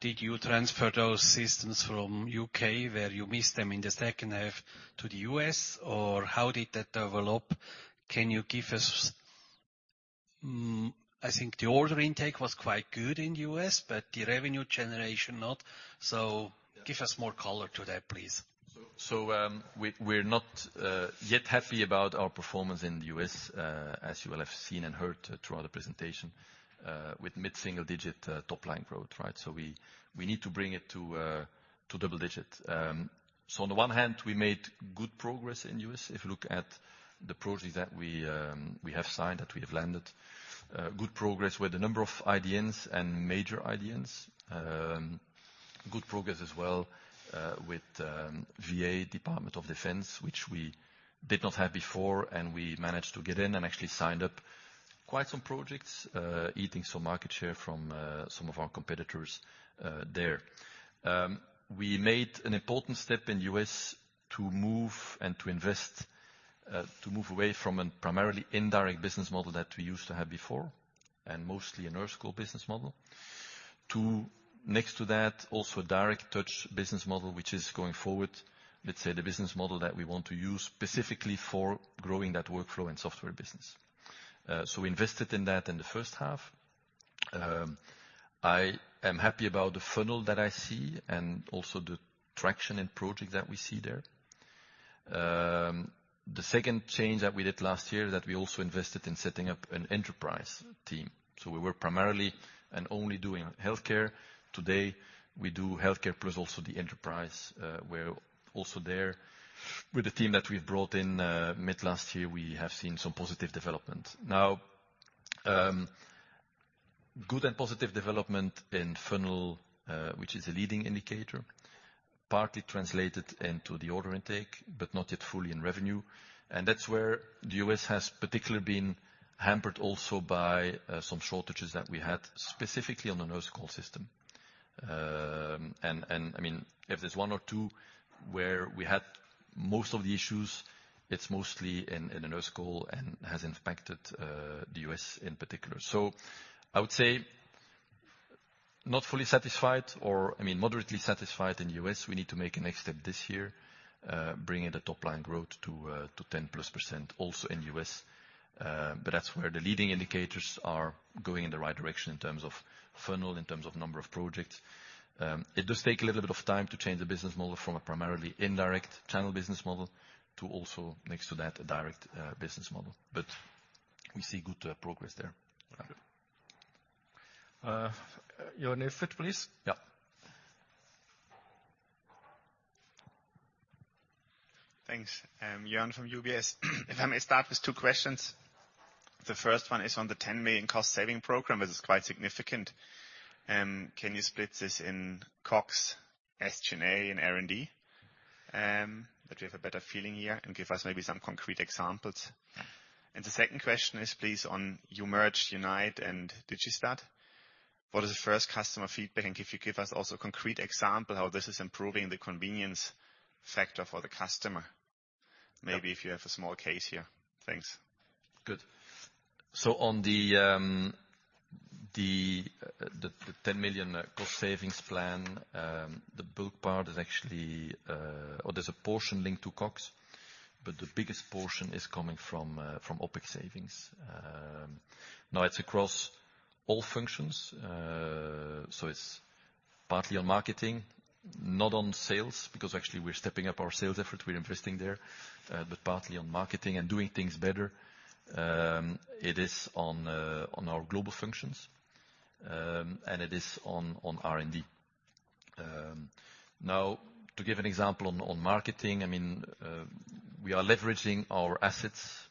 Did you transfer those systems from U.K., where you missed them in the second half, to the U.S., or how did that develop? Can you give us? I think the order intake was quite good in the U.S., but the revenue generation not. Give us more color to that, please. We're not yet happy about our performance in the U.S., as you will have seen and heard throughout the presentation, with mid-single-digit top-line growth, right? We need to bring it to double-digits. On the one hand, we made good progress in U.S. If you look at the projects that we have signed, that we have landed, good progress with a number of IDNs and major IDNs. Good progress as well with VA Department of Defense, which we did not have before, and we managed to get in and actually signed up quite some projects, eating some market share from some of our competitors there. We made an important step in U.S. to move and to invest to move away from a primarily indirect business model that we used to have before, and mostly a nurse call business model. To next to that, also a direct touch business model, which is going forward, let's say, the business model that we want to use specifically for growing that workflow and software business. We invested in that in the first half. I am happy about the funnel that I see and also the traction and project that we see there. The second change that we did last year, that we also invested in setting up an enterprise team. We were primarily and only doing healthcare. Today, we do healthcare plus also the enterprise. We're also there. With the team that we've brought in, mid last year, we have seen some positive development. Now, good and positive development in funnel, which is a leading indicator, partly translated into the order intake, but not yet fully in revenue. That's where the U.S. has particularly been hampered also by some shortages that we had, specifically on the nurse call system. I mean, if there's one or two where we had most of the issues, it's mostly in the nurse call and has impacted the U.S. in particular. I would say not fully satisfied or, I mean, moderately satisfied in U.S. We need to make a next step this year, bringing the top line growth to 10%+ also in U.S. That's where the leading indicators are going in the right direction in terms of funnel, in terms of number of projects. It does take a little bit of time to change the business model from a primarily indirect channel business model to also, next to that, a direct business model. We see good progress there. Jörn Iffert, please. Yeah. Thanks. Jörn from UBS. If I may start with two questions. The first one is on the 10 million cost saving program, which is quite significant. Can you split this in COGS, SG&A and R&D, that we have a better feeling here, and give us maybe some concrete examples. The second question is please on you merged Unite and Digistat. What is the first customer feedback, and if you give us also a concrete example how this is improving the convenience factor for the customer. Maybe if you have a small case here. Thanks. Good. On the 10 million cost savings plan, the bulk part is actually, or there's a portion linked to COGS, but the biggest portion is coming from OpEx savings. It's across all functions. So it's partly on marketing, not on sales, because actually we're stepping up our sales effort. We're investing there, but partly on marketing and doing things better. It is on our global functions, and it is on R&D. To give an example on marketing, I mean, we are leveraging our assets,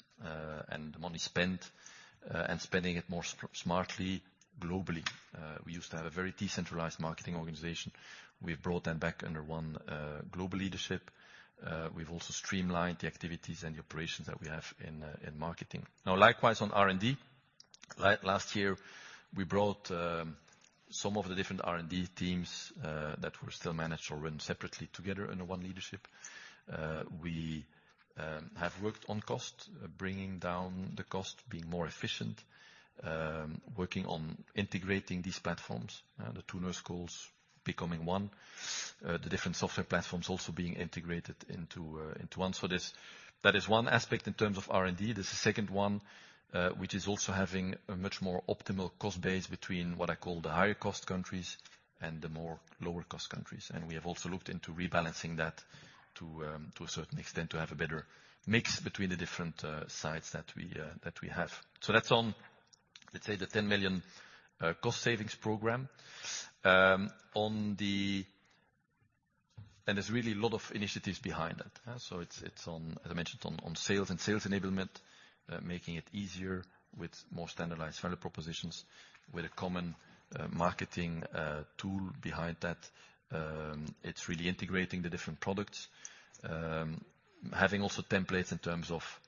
and the money spent, and spending it more smartly globally. We used to have a very decentralized marketing organization. We've brought them back under one global leadership. We've also streamlined the activities and the operations that we have in marketing. Now, likewise on R&D. Last year, we brought some of the different R&D teams that were still managed or run separately together under one leadership. We have worked on cost, bringing down the cost, being more efficient, working on integrating these platforms. The two nurse calls becoming one. The different software platforms also being integrated into one. That is one aspect in terms of R&D. There's a second one, which is also having a much more optimal cost base between what I call the higher cost countries and the more lower cost countries. We have also looked into rebalancing that to a certain extent, to have a better mix between the different sites that we that we have. That's on, let's say, the $10 million cost savings program. There's really a lot of initiatives behind that. It's, it's on, as I mentioned, on sales and sales enablement, making it easier with more standardized value propositions, with a common marketing tool behind that. It's really integrating the different products. Having also templates in terms of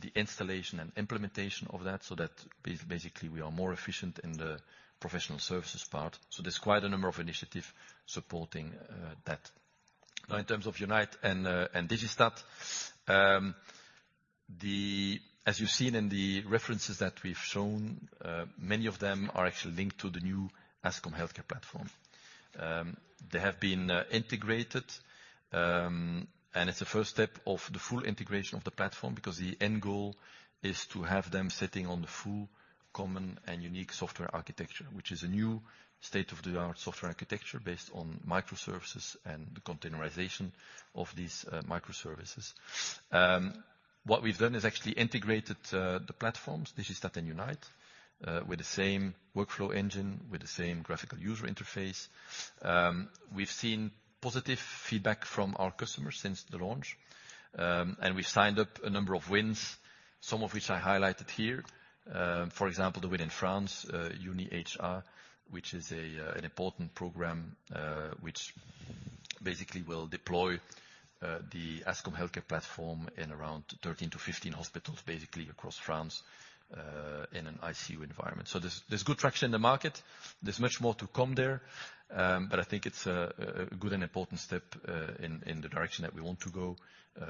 the installation and implementation of that so that basically we are more efficient in the professional services part. There's quite a number of initiative supporting that. In terms of Ascom Unite and Digistat, as you've seen in the references that we've shown, many of them are actually linked to the new Ascom Healthcare Platform. They have been integrated, it's the first step of the full integration of the platform, because the end goal is to have them sitting on the full common and unique software architecture. Is a new state-of-the-art software architecture based on microservices and the containerization of these microservices. What we've done is actually integrated the platforms, Digistat and Unite, with the same workflow engine, with the same graphical user interface. We've seen positive feedback from our customers since the launch. We've signed up a number of wins, some of which I highlighted here. For example, the win in France, UniHA, which is an important program, which basically will deploy the Ascom Healthcare Platform in around 13-15 hospitals, basically across France, in an ICU environment. There's good traction in the market. There's much more to come there. But I think it's a good and important step in the direction that we want to go,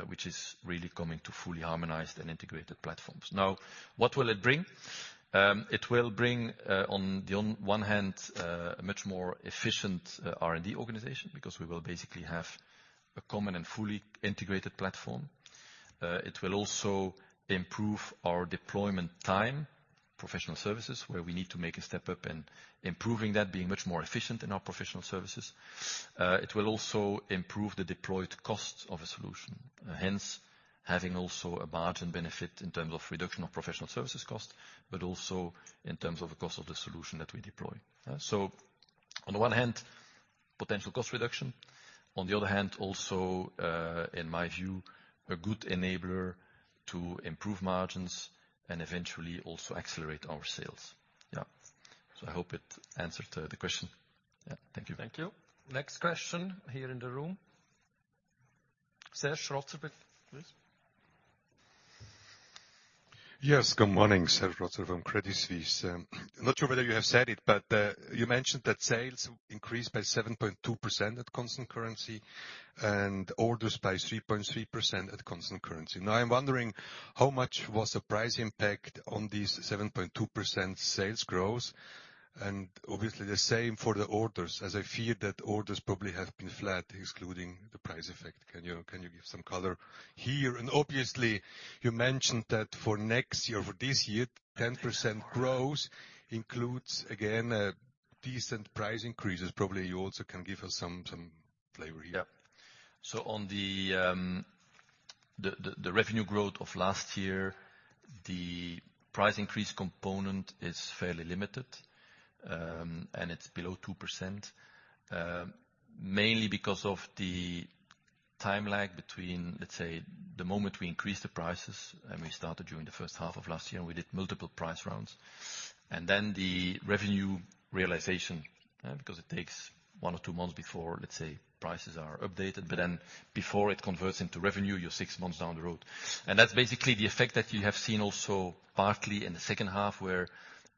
which is really coming to fully harmonized and integrated platforms. What will it bring? It will bring on the one hand a much more efficient R&D organization, because we will basically have a common and fully integrated platform. It will also improve our deployment time, professional services, where we need to make a step up in improving that, being much more efficient in our professional services. It will also improve the deployed cost of a solution, hence having also a margin benefit in terms of reduction of professional services cost, but also in terms of the cost of the solution that we deploy. On the one hand, potential cost reduction, on the other hand, also, in my view, a good enabler to improve margins and eventually also accelerate our sales. I hope it answered the question. Thank you. Thank you. Next question here in the room. Serge Rotzoll, please. Yes, good morning. Serge Rotzoll from Credit Suisse. Not sure whether you have said it, but you mentioned that sales increased by 7.2% at constant currency and orders by 3.3% at constant currency. Now I'm wondering how much was the price impact on these 7.2% sales growth and obviously the same for the orders, as I fear that orders probably have been flat, excluding the price effect. Can you give some color here? Obviously you mentioned that for next year, for this year, 10% growth includes again decent price increases. Probably you also can give us some flavor here. On the revenue growth of last year, the price increase component is fairly limited, and it's below 2% mainly because of the time lag between, let's say, the moment we increase the prices, and we started during the first half of last year, and we did multiple price rounds. The revenue realization, because it takes one or two months before, let's say, prices are updated, before it converts into revenue, you're six months down the road. That's basically the effect that you have seen also partly in the second half, where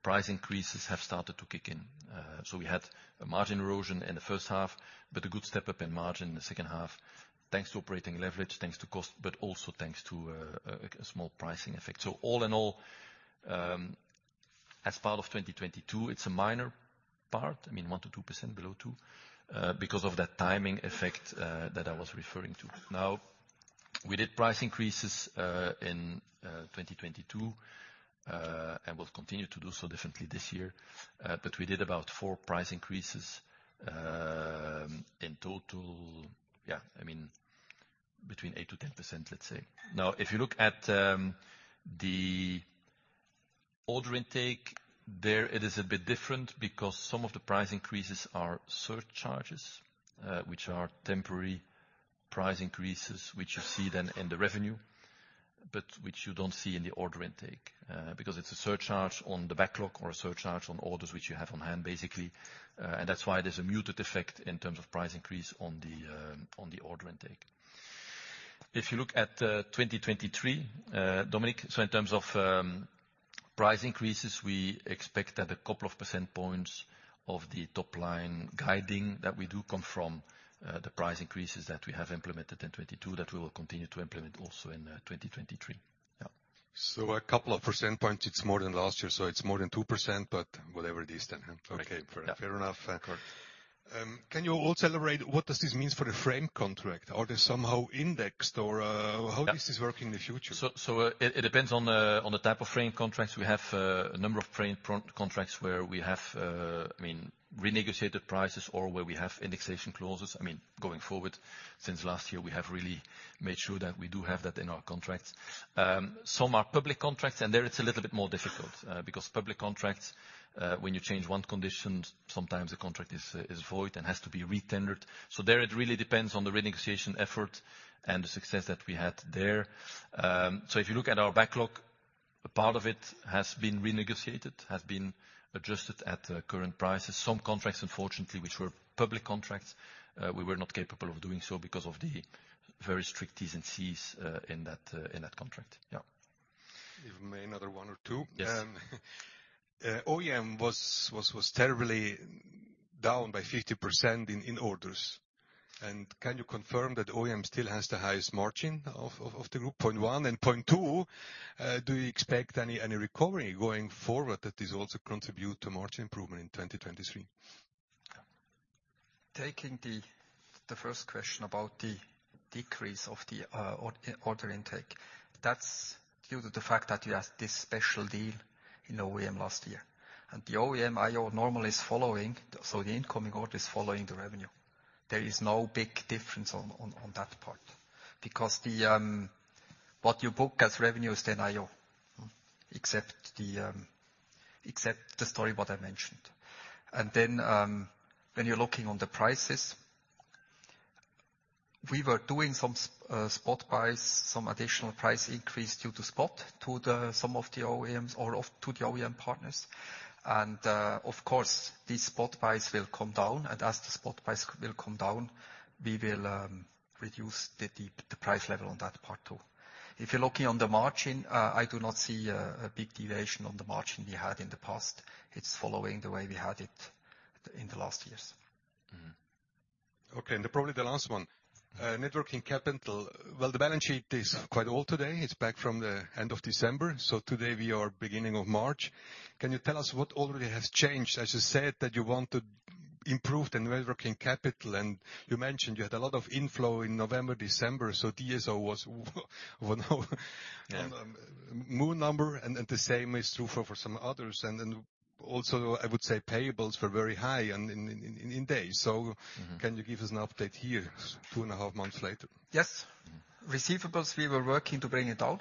price increases have started to kick in. We had a margin erosion in the first half, but a good step up in margin in the second half, thanks to operating leverage, thanks to cost, but also thanks to a small pricing effect. All in all, as part of 2022, it's a minor part, I mean 1%-2%, below 2%, because of that timing effect that I was referring to. We did price increases in 2022, and we'll continue to do so differently this year. But we did about four price increases in total. I mean between 8%-10%, let's say. If you look at the order intake, there it is a bit different because some of the price increases are surcharges, which are temporary price increases, which you see then in the revenue. Which you don't see in the order intake, because it's a surcharge on the backlog or a surcharge on orders which you have on hand, basically. That's why there's a muted effect in terms of price increase on the order intake. If you look at 2023, Dominik, in terms of price increases, we expect that a couple of percent points of the top line guiding that we do come from the price increases that we have implemented in 2022, that we will continue to implement also in 2023. A couple of percent points, it's more than last year, so it's more than 2%, but whatever it is then. Okay. Fair, fair enough. Correct. Can you also elaborate what does this means for the frame contract? Are they somehow indexed or? Yeah. How this is working in the future? It depends on the type of frame contracts. We have a number of frame contracts where we have, I mean, renegotiated prices or where we have indexation clauses. I mean, going forward, since last year, we have really made sure that we do have that in our contracts. Some are public contracts, there it's a little bit more difficult because public contracts, when you change one condition, sometimes the contract is void and has to be re-tendered. There, it really depends on the renegotiation effort and the success that we had there. If you look at our backlog. A part of it has been renegotiated, has been adjusted at current prices. Some contracts, unfortunately, which were public contracts, we were not capable of doing so because of the very strict Es and Cs in that in that contract. Yeah. If may, another one or two. Yes. OEM was terribly down by 50% in orders. Can you confirm that OEM still has the highest margin of the group, point one? Point two, do you expect any recovery going forward that this also contribute to margin improvement in 2023? Taking the first question about the decrease of the order intake, that's due to the fact that you had this special deal in OEM last year. The OEM IO normally is following, so the incoming order is following the revenue. There is no big difference on that part. The what you book as revenue is then IO. Except the story what I mentioned. When you're looking on the prices, we were doing some spot buys, some additional price increase due to spot to the, some of the OEMs or to the OEM partners. Of course, these spot buys will come down, and as the spot buys will come down, we will reduce the price level on that part too. If you're looking on the margin, I do not see a big deviation on the margin we had in the past. It's following the way we had it in the last years. Okay, probably the last one. Networking capital. The balance sheet is quite old today, it's back from the end of December. Today we are beginning of March. Can you tell us what already has changed? As you said that you want to improve the networking capital, you mentioned you had a lot of inflow in November, December, DSO was. Yeah. On, moon number, and the same is true for some others. I would say payables were very high in days. Mm-hmm. Can you give us an update here, two and a half months later? Yes. Receivables, we were working to bring it down.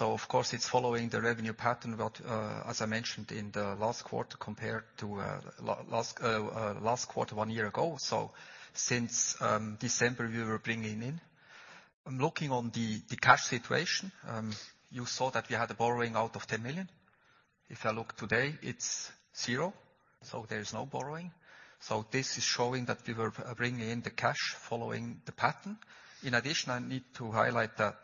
Of course it's following the revenue pattern, but as I mentioned in the last quarter compared to last quarter one year ago. Since December, we were bringing in. I'm looking on the cash situation, you saw that we had a borrowing out of 10 million. If I look today, it's zero, so there is no borrowing. This is showing that we were bringing in the cash following the pattern. In addition, I need to highlight that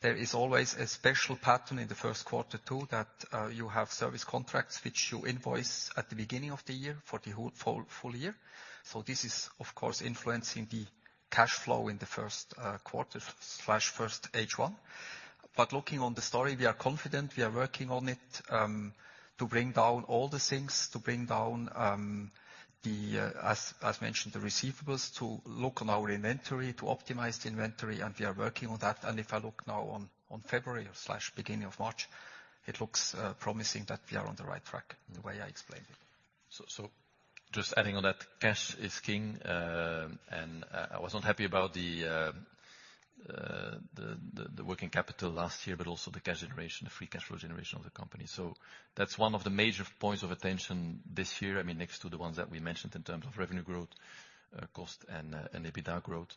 there is always a special pattern in the first quarter too, that you have service contracts which you invoice at the beginning of the year for full year. This is of course influencing the cash flow in the first quarter slash first H1. Looking on the story, we are confident, we are working on it, to bring down all the things. To bring down, the, as mentioned, the receivables, to look on our inventory, to optimize the inventory, and we are working on that. If I look now on February or slash beginning of March, it looks promising that we are on the right track in the way I explained it. Just adding on that, cash is king. I was not happy about the working capital last year, but also the cash generation, the free cash flow generation of the company. That's one of the major points of attention this year. I mean, next to the ones that we mentioned in terms of revenue growth, cost and EBITDA growth.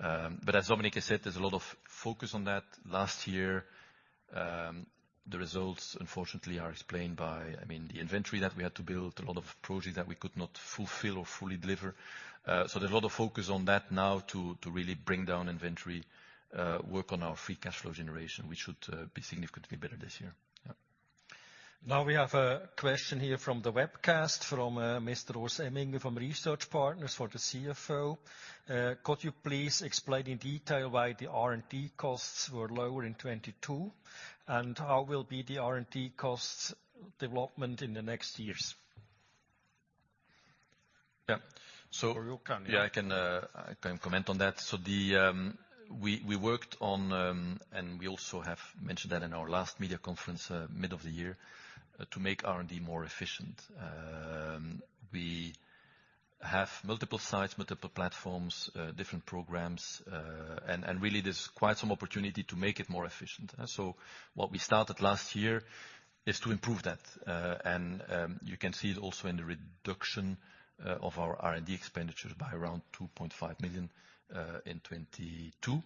As Dominik has said, there's a lot of focus on that. Last year, the results unfortunately are explained by, I mean, the inventory that we had to build, a lot of projects that we could not fulfill or fully deliver. There's a lot of focus on that now to really bring down inventory, work on our free cash flow generation, which should be significantly better this year. Now we have a question here from the webcast, from Mr. Reto Huber from Research Partners for the CFO. Could you please explain in detail why the R&D costs were lower in 22? How will be the R&D costs development in the next years? Yeah. You can, yeah. Yeah, I can comment on that. We worked on, and we also have mentioned that in our last media conference, mid of the year, to make R&D more efficient. We have multiple sites, multiple platforms, different programs, and really there's quite some opportunity to make it more efficient. What we started last year is to improve that. And, you can see it also in the reduction of our R&D expenditures by around 2.5 million in 2022.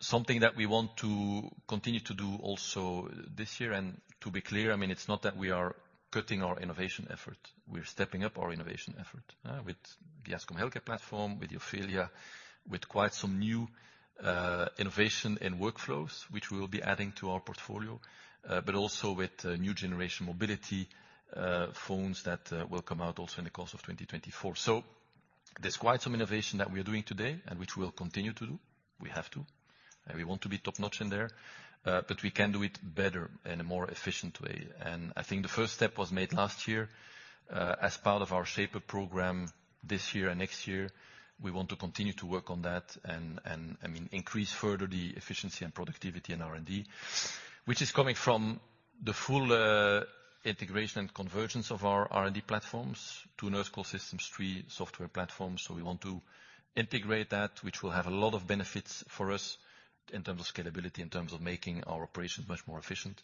Something that we want to continue to do also this year and to be clear, I mean, it's not that we are cutting our innovation effort. We're stepping up our innovation effort, with the Ascom Healthcare Platform, with Ofelia, with quite some new innovation in workflows, which we will be adding to our portfolio. Also with new generation mobility phones that will come out also in the course of 2024. There's quite some innovation that we are doing today, and which we'll continue to do. We have to. We want to be top-notch in there. We can do it better in a more efficient way. I think the first step was made last year. As part of our Shaper program this year and next year, we want to continue to work on that and, I mean, increase further the efficiency and productivity in R&D. Which is coming from the full integration and convergence of our R&D platforms. Two Nurse Call systems, three software platforms. We want to integrate that, which will have a lot of benefits for us in terms of scalability, in terms of making our operations much more efficient.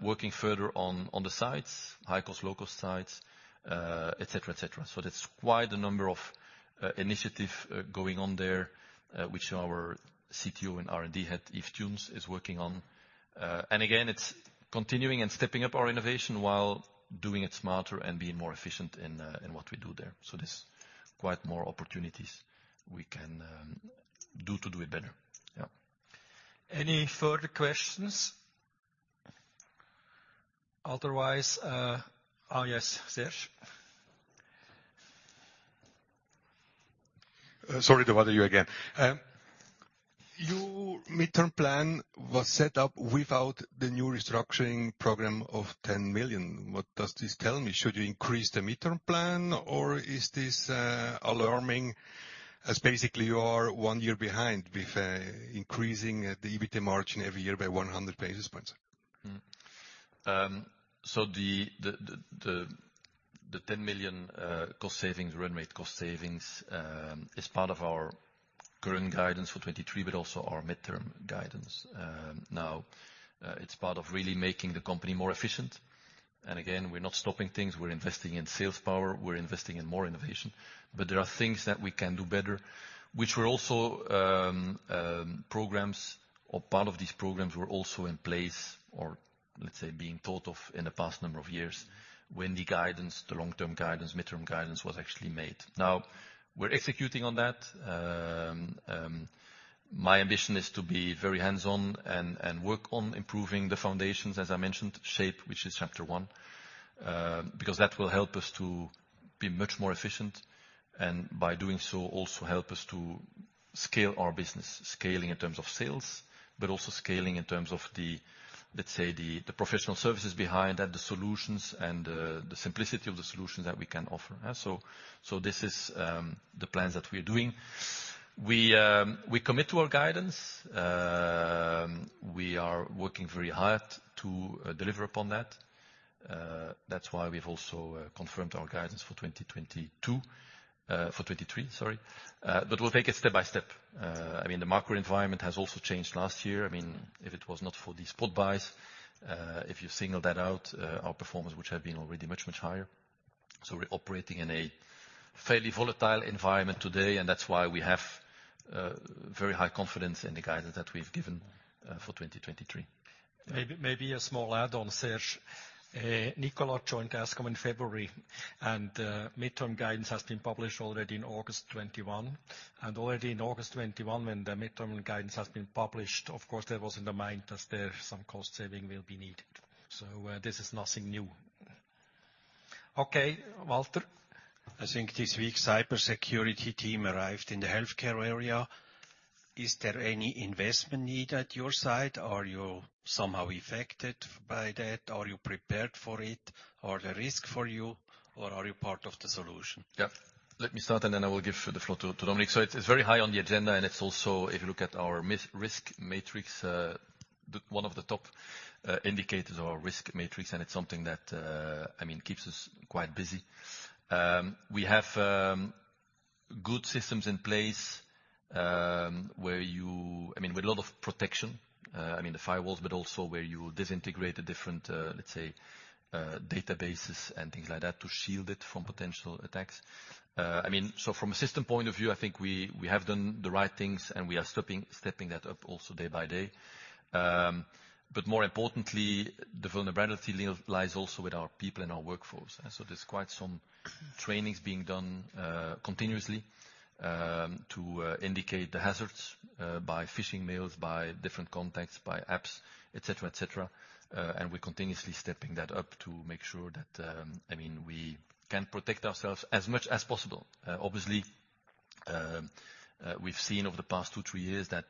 Working further on the sites, high-cost, low-cost sites, et cetera, et cetera. That's quite a number of initiative going on there, which our CTO and R&D head, Yves T'Joens, is working on. Again, it's continuing and stepping up our innovation while doing it smarter and being more efficient in what we do there. There's quite more opportunities we can do to do it better. Yeah. Any further questions? Otherwise, yes. Serge? Sorry to bother you again. Your midterm plan was set up without the new restructuring program of 10 million. What does this tell me? Should you increase the midterm plan or is this alarming as basically you are 1 year behind with increasing the EBIT margin every year by 100 basis points? The 10 million cost savings, run rate cost savings, is part of our current guidance for 23, but also our midterm guidance. Now, it's part of really making the company more efficient. Again, we're not stopping things. We're investing in sales power, we're investing in more innovation. There are things that we can do better, which were also programs or part of these programs were also in place or let's say being thought of in the past number of years when the guidance, the long-term guidance, midterm guidance was actually made. We're executing on that. My ambition is to be very hands-on and work on improving the foundations, as I mentioned, Shape, which is chapter one, because that will help us to be much more efficient, and by doing so, also help us to scale our business. Scaling in terms of sales, but also scaling in terms of the, let's say, the professional services behind and the solutions and the simplicity of the solutions that we can offer. This is the plans that we're doing. We commit to our guidance. We are working very hard to deliver upon that. That's why we've also confirmed our guidance for 2022, for 2023, sorry. We'll take it step by step. I mean, the macro environment has also changed last year. I mean, if it was not for these spot buys, if you single that out, our performance would have been already much, much higher. We're operating in a fairly volatile environment today, and that's why we have very high confidence in the guidance that we've given for 2023. Maybe a small add-on, Serge. Nicolas joined Ascom in February, and midterm guidance has been published already in August 21. Already in August 21, when the midterm guidance has been published, of course, that was in the mind that there some cost saving will be needed. This is nothing new. Okay, Walter. I think this week, cybersecurity team arrived in the healthcare area. Is there any investment need at your side? Are you somehow affected by that? Are you prepared for it? Or the risk for you, or are you part of the solution? Let me start, I will give the floor to Dominik. It's very high on the agenda, and it's also, if you look at our risk matrix, the, one of the top indicators of our risk matrix, and it's something that, I mean, keeps us quite busy. We have good systems in place, I mean, with a lot of protection, I mean, the firewalls, but also where you disintegrate the different, let's say, databases and things like that to shield it from potential attacks. I mean, from a system point of view, I think we have done the right things, and we are stepping that up also day by day. More importantly, the vulnerability lies also with our people and our workforce. There's quite some trainings being done, continuously, to indicate the hazards by phishing mails, by different contacts, by apps, et cetera, et cetera. We're continuously stepping that up to make sure that, I mean, we can protect ourselves as much as possible. Obviously, we've seen over the past two, three years that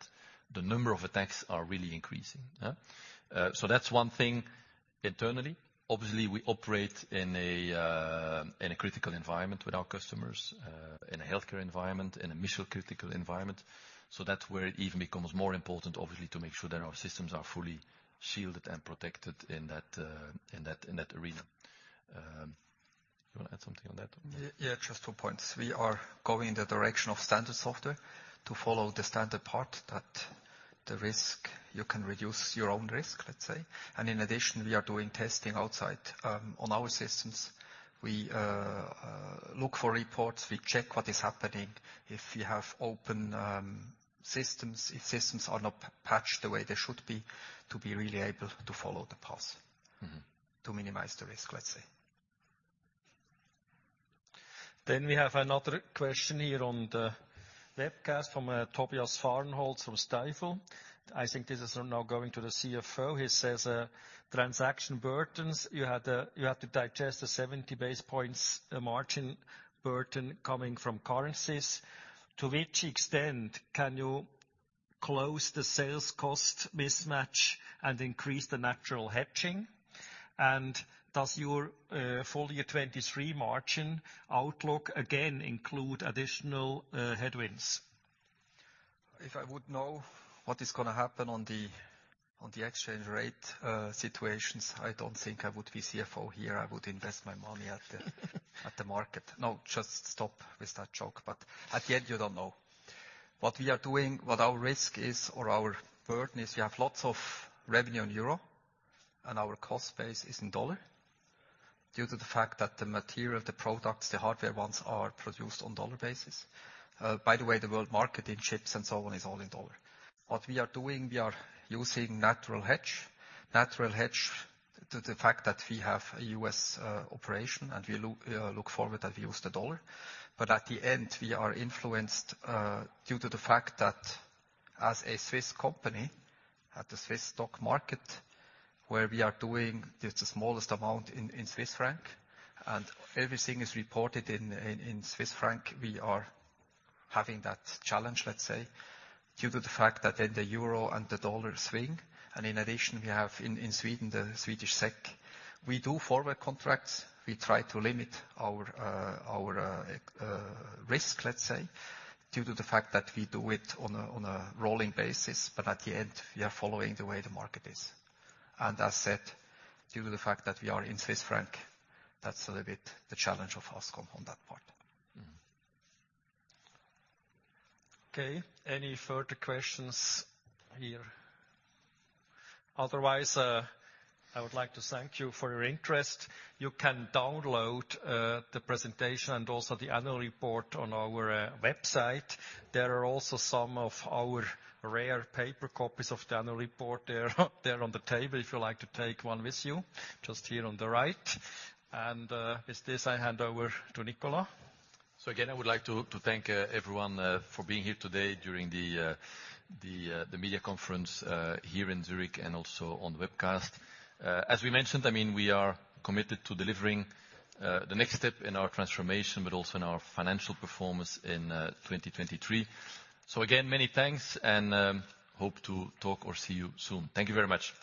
the number of attacks are really increasing. That's one thing internally. Obviously, we operate in a critical environment with our customers, in a healthcare environment, in a mission-critical environment. That's where it even becomes more important, obviously, to make sure that our systems are fully shielded and protected in that, in that, in that arena. You wanna add something on that? Yeah, just two points. We are going in the direction of standard software to follow the standard part that the risk, you can reduce your own risk, let's say. In addition, we are doing testing outside on our systems. We look for reports. We check what is happening. If we have open systems, if systems are not patched the way they should be to be really able to follow the path. Mm-hmm. To minimize the risk, let's say. We have another question here on the webcast from Tobias Fahrenholz from Stifel. I think this is now going to the CFO. He says, transaction burdens, you had to digest the 70 basis points margin burden coming from currencies. To which extent can you close the sales cost mismatch and increase the natural hedging? Does your full year 2023 margin outlook again include additional headwinds? If I would know what is gonna happen on the, on the exchange rate situations, I don't think I would be CFO here. I would invest my money At the market. No, just stop with that joke. At the end, you don't know. What we are doing, what our risk is or our burden is we have lots of revenue in EUR, and our cost base is in USD due to the fact that the material, the products, the hardware ones are produced on USD basis. By the way, the world market in chips and so on is all in USD. What we are doing, we are using natural hedge. Natural hedge to the fact that we have a U.S. operation, and we look forward that we use the USD. At the end, we are influenced due to the fact that as a Swiss company at the Swiss stock market where we are doing just the smallest amount in CHF, and everything is reported in CHF. We are having that challenge, let's say, due to the fact that then the euro and the dollar swing, and in addition, we have in Sweden, the Swedish SEK. We do forward contracts. We try to limit our risk, let's say, due to the fact that we do it on a rolling basis. At the end, we are following the way the market is. As said, due to the fact that we are in Swiss franc, that's a little bit the challenge of Ascom on that part. Okay, any further questions here? Otherwise, I would like to thank you for your interest. You can download the presentation and also the annual report on our website. There are also some of our rare paper copies of the annual report there on the table if you'd like to take one with you, just here on the right. With this, I hand over to Nicolas. Again, I would like to thank everyone for being here today during the media conference here in Zurich and also on the webcast. As we mentioned, I mean, we are committed to delivering the next step in our transformation, but also in our financial performance in 2023. Again, many thanks and hope to talk or see you soon. Thank you very much.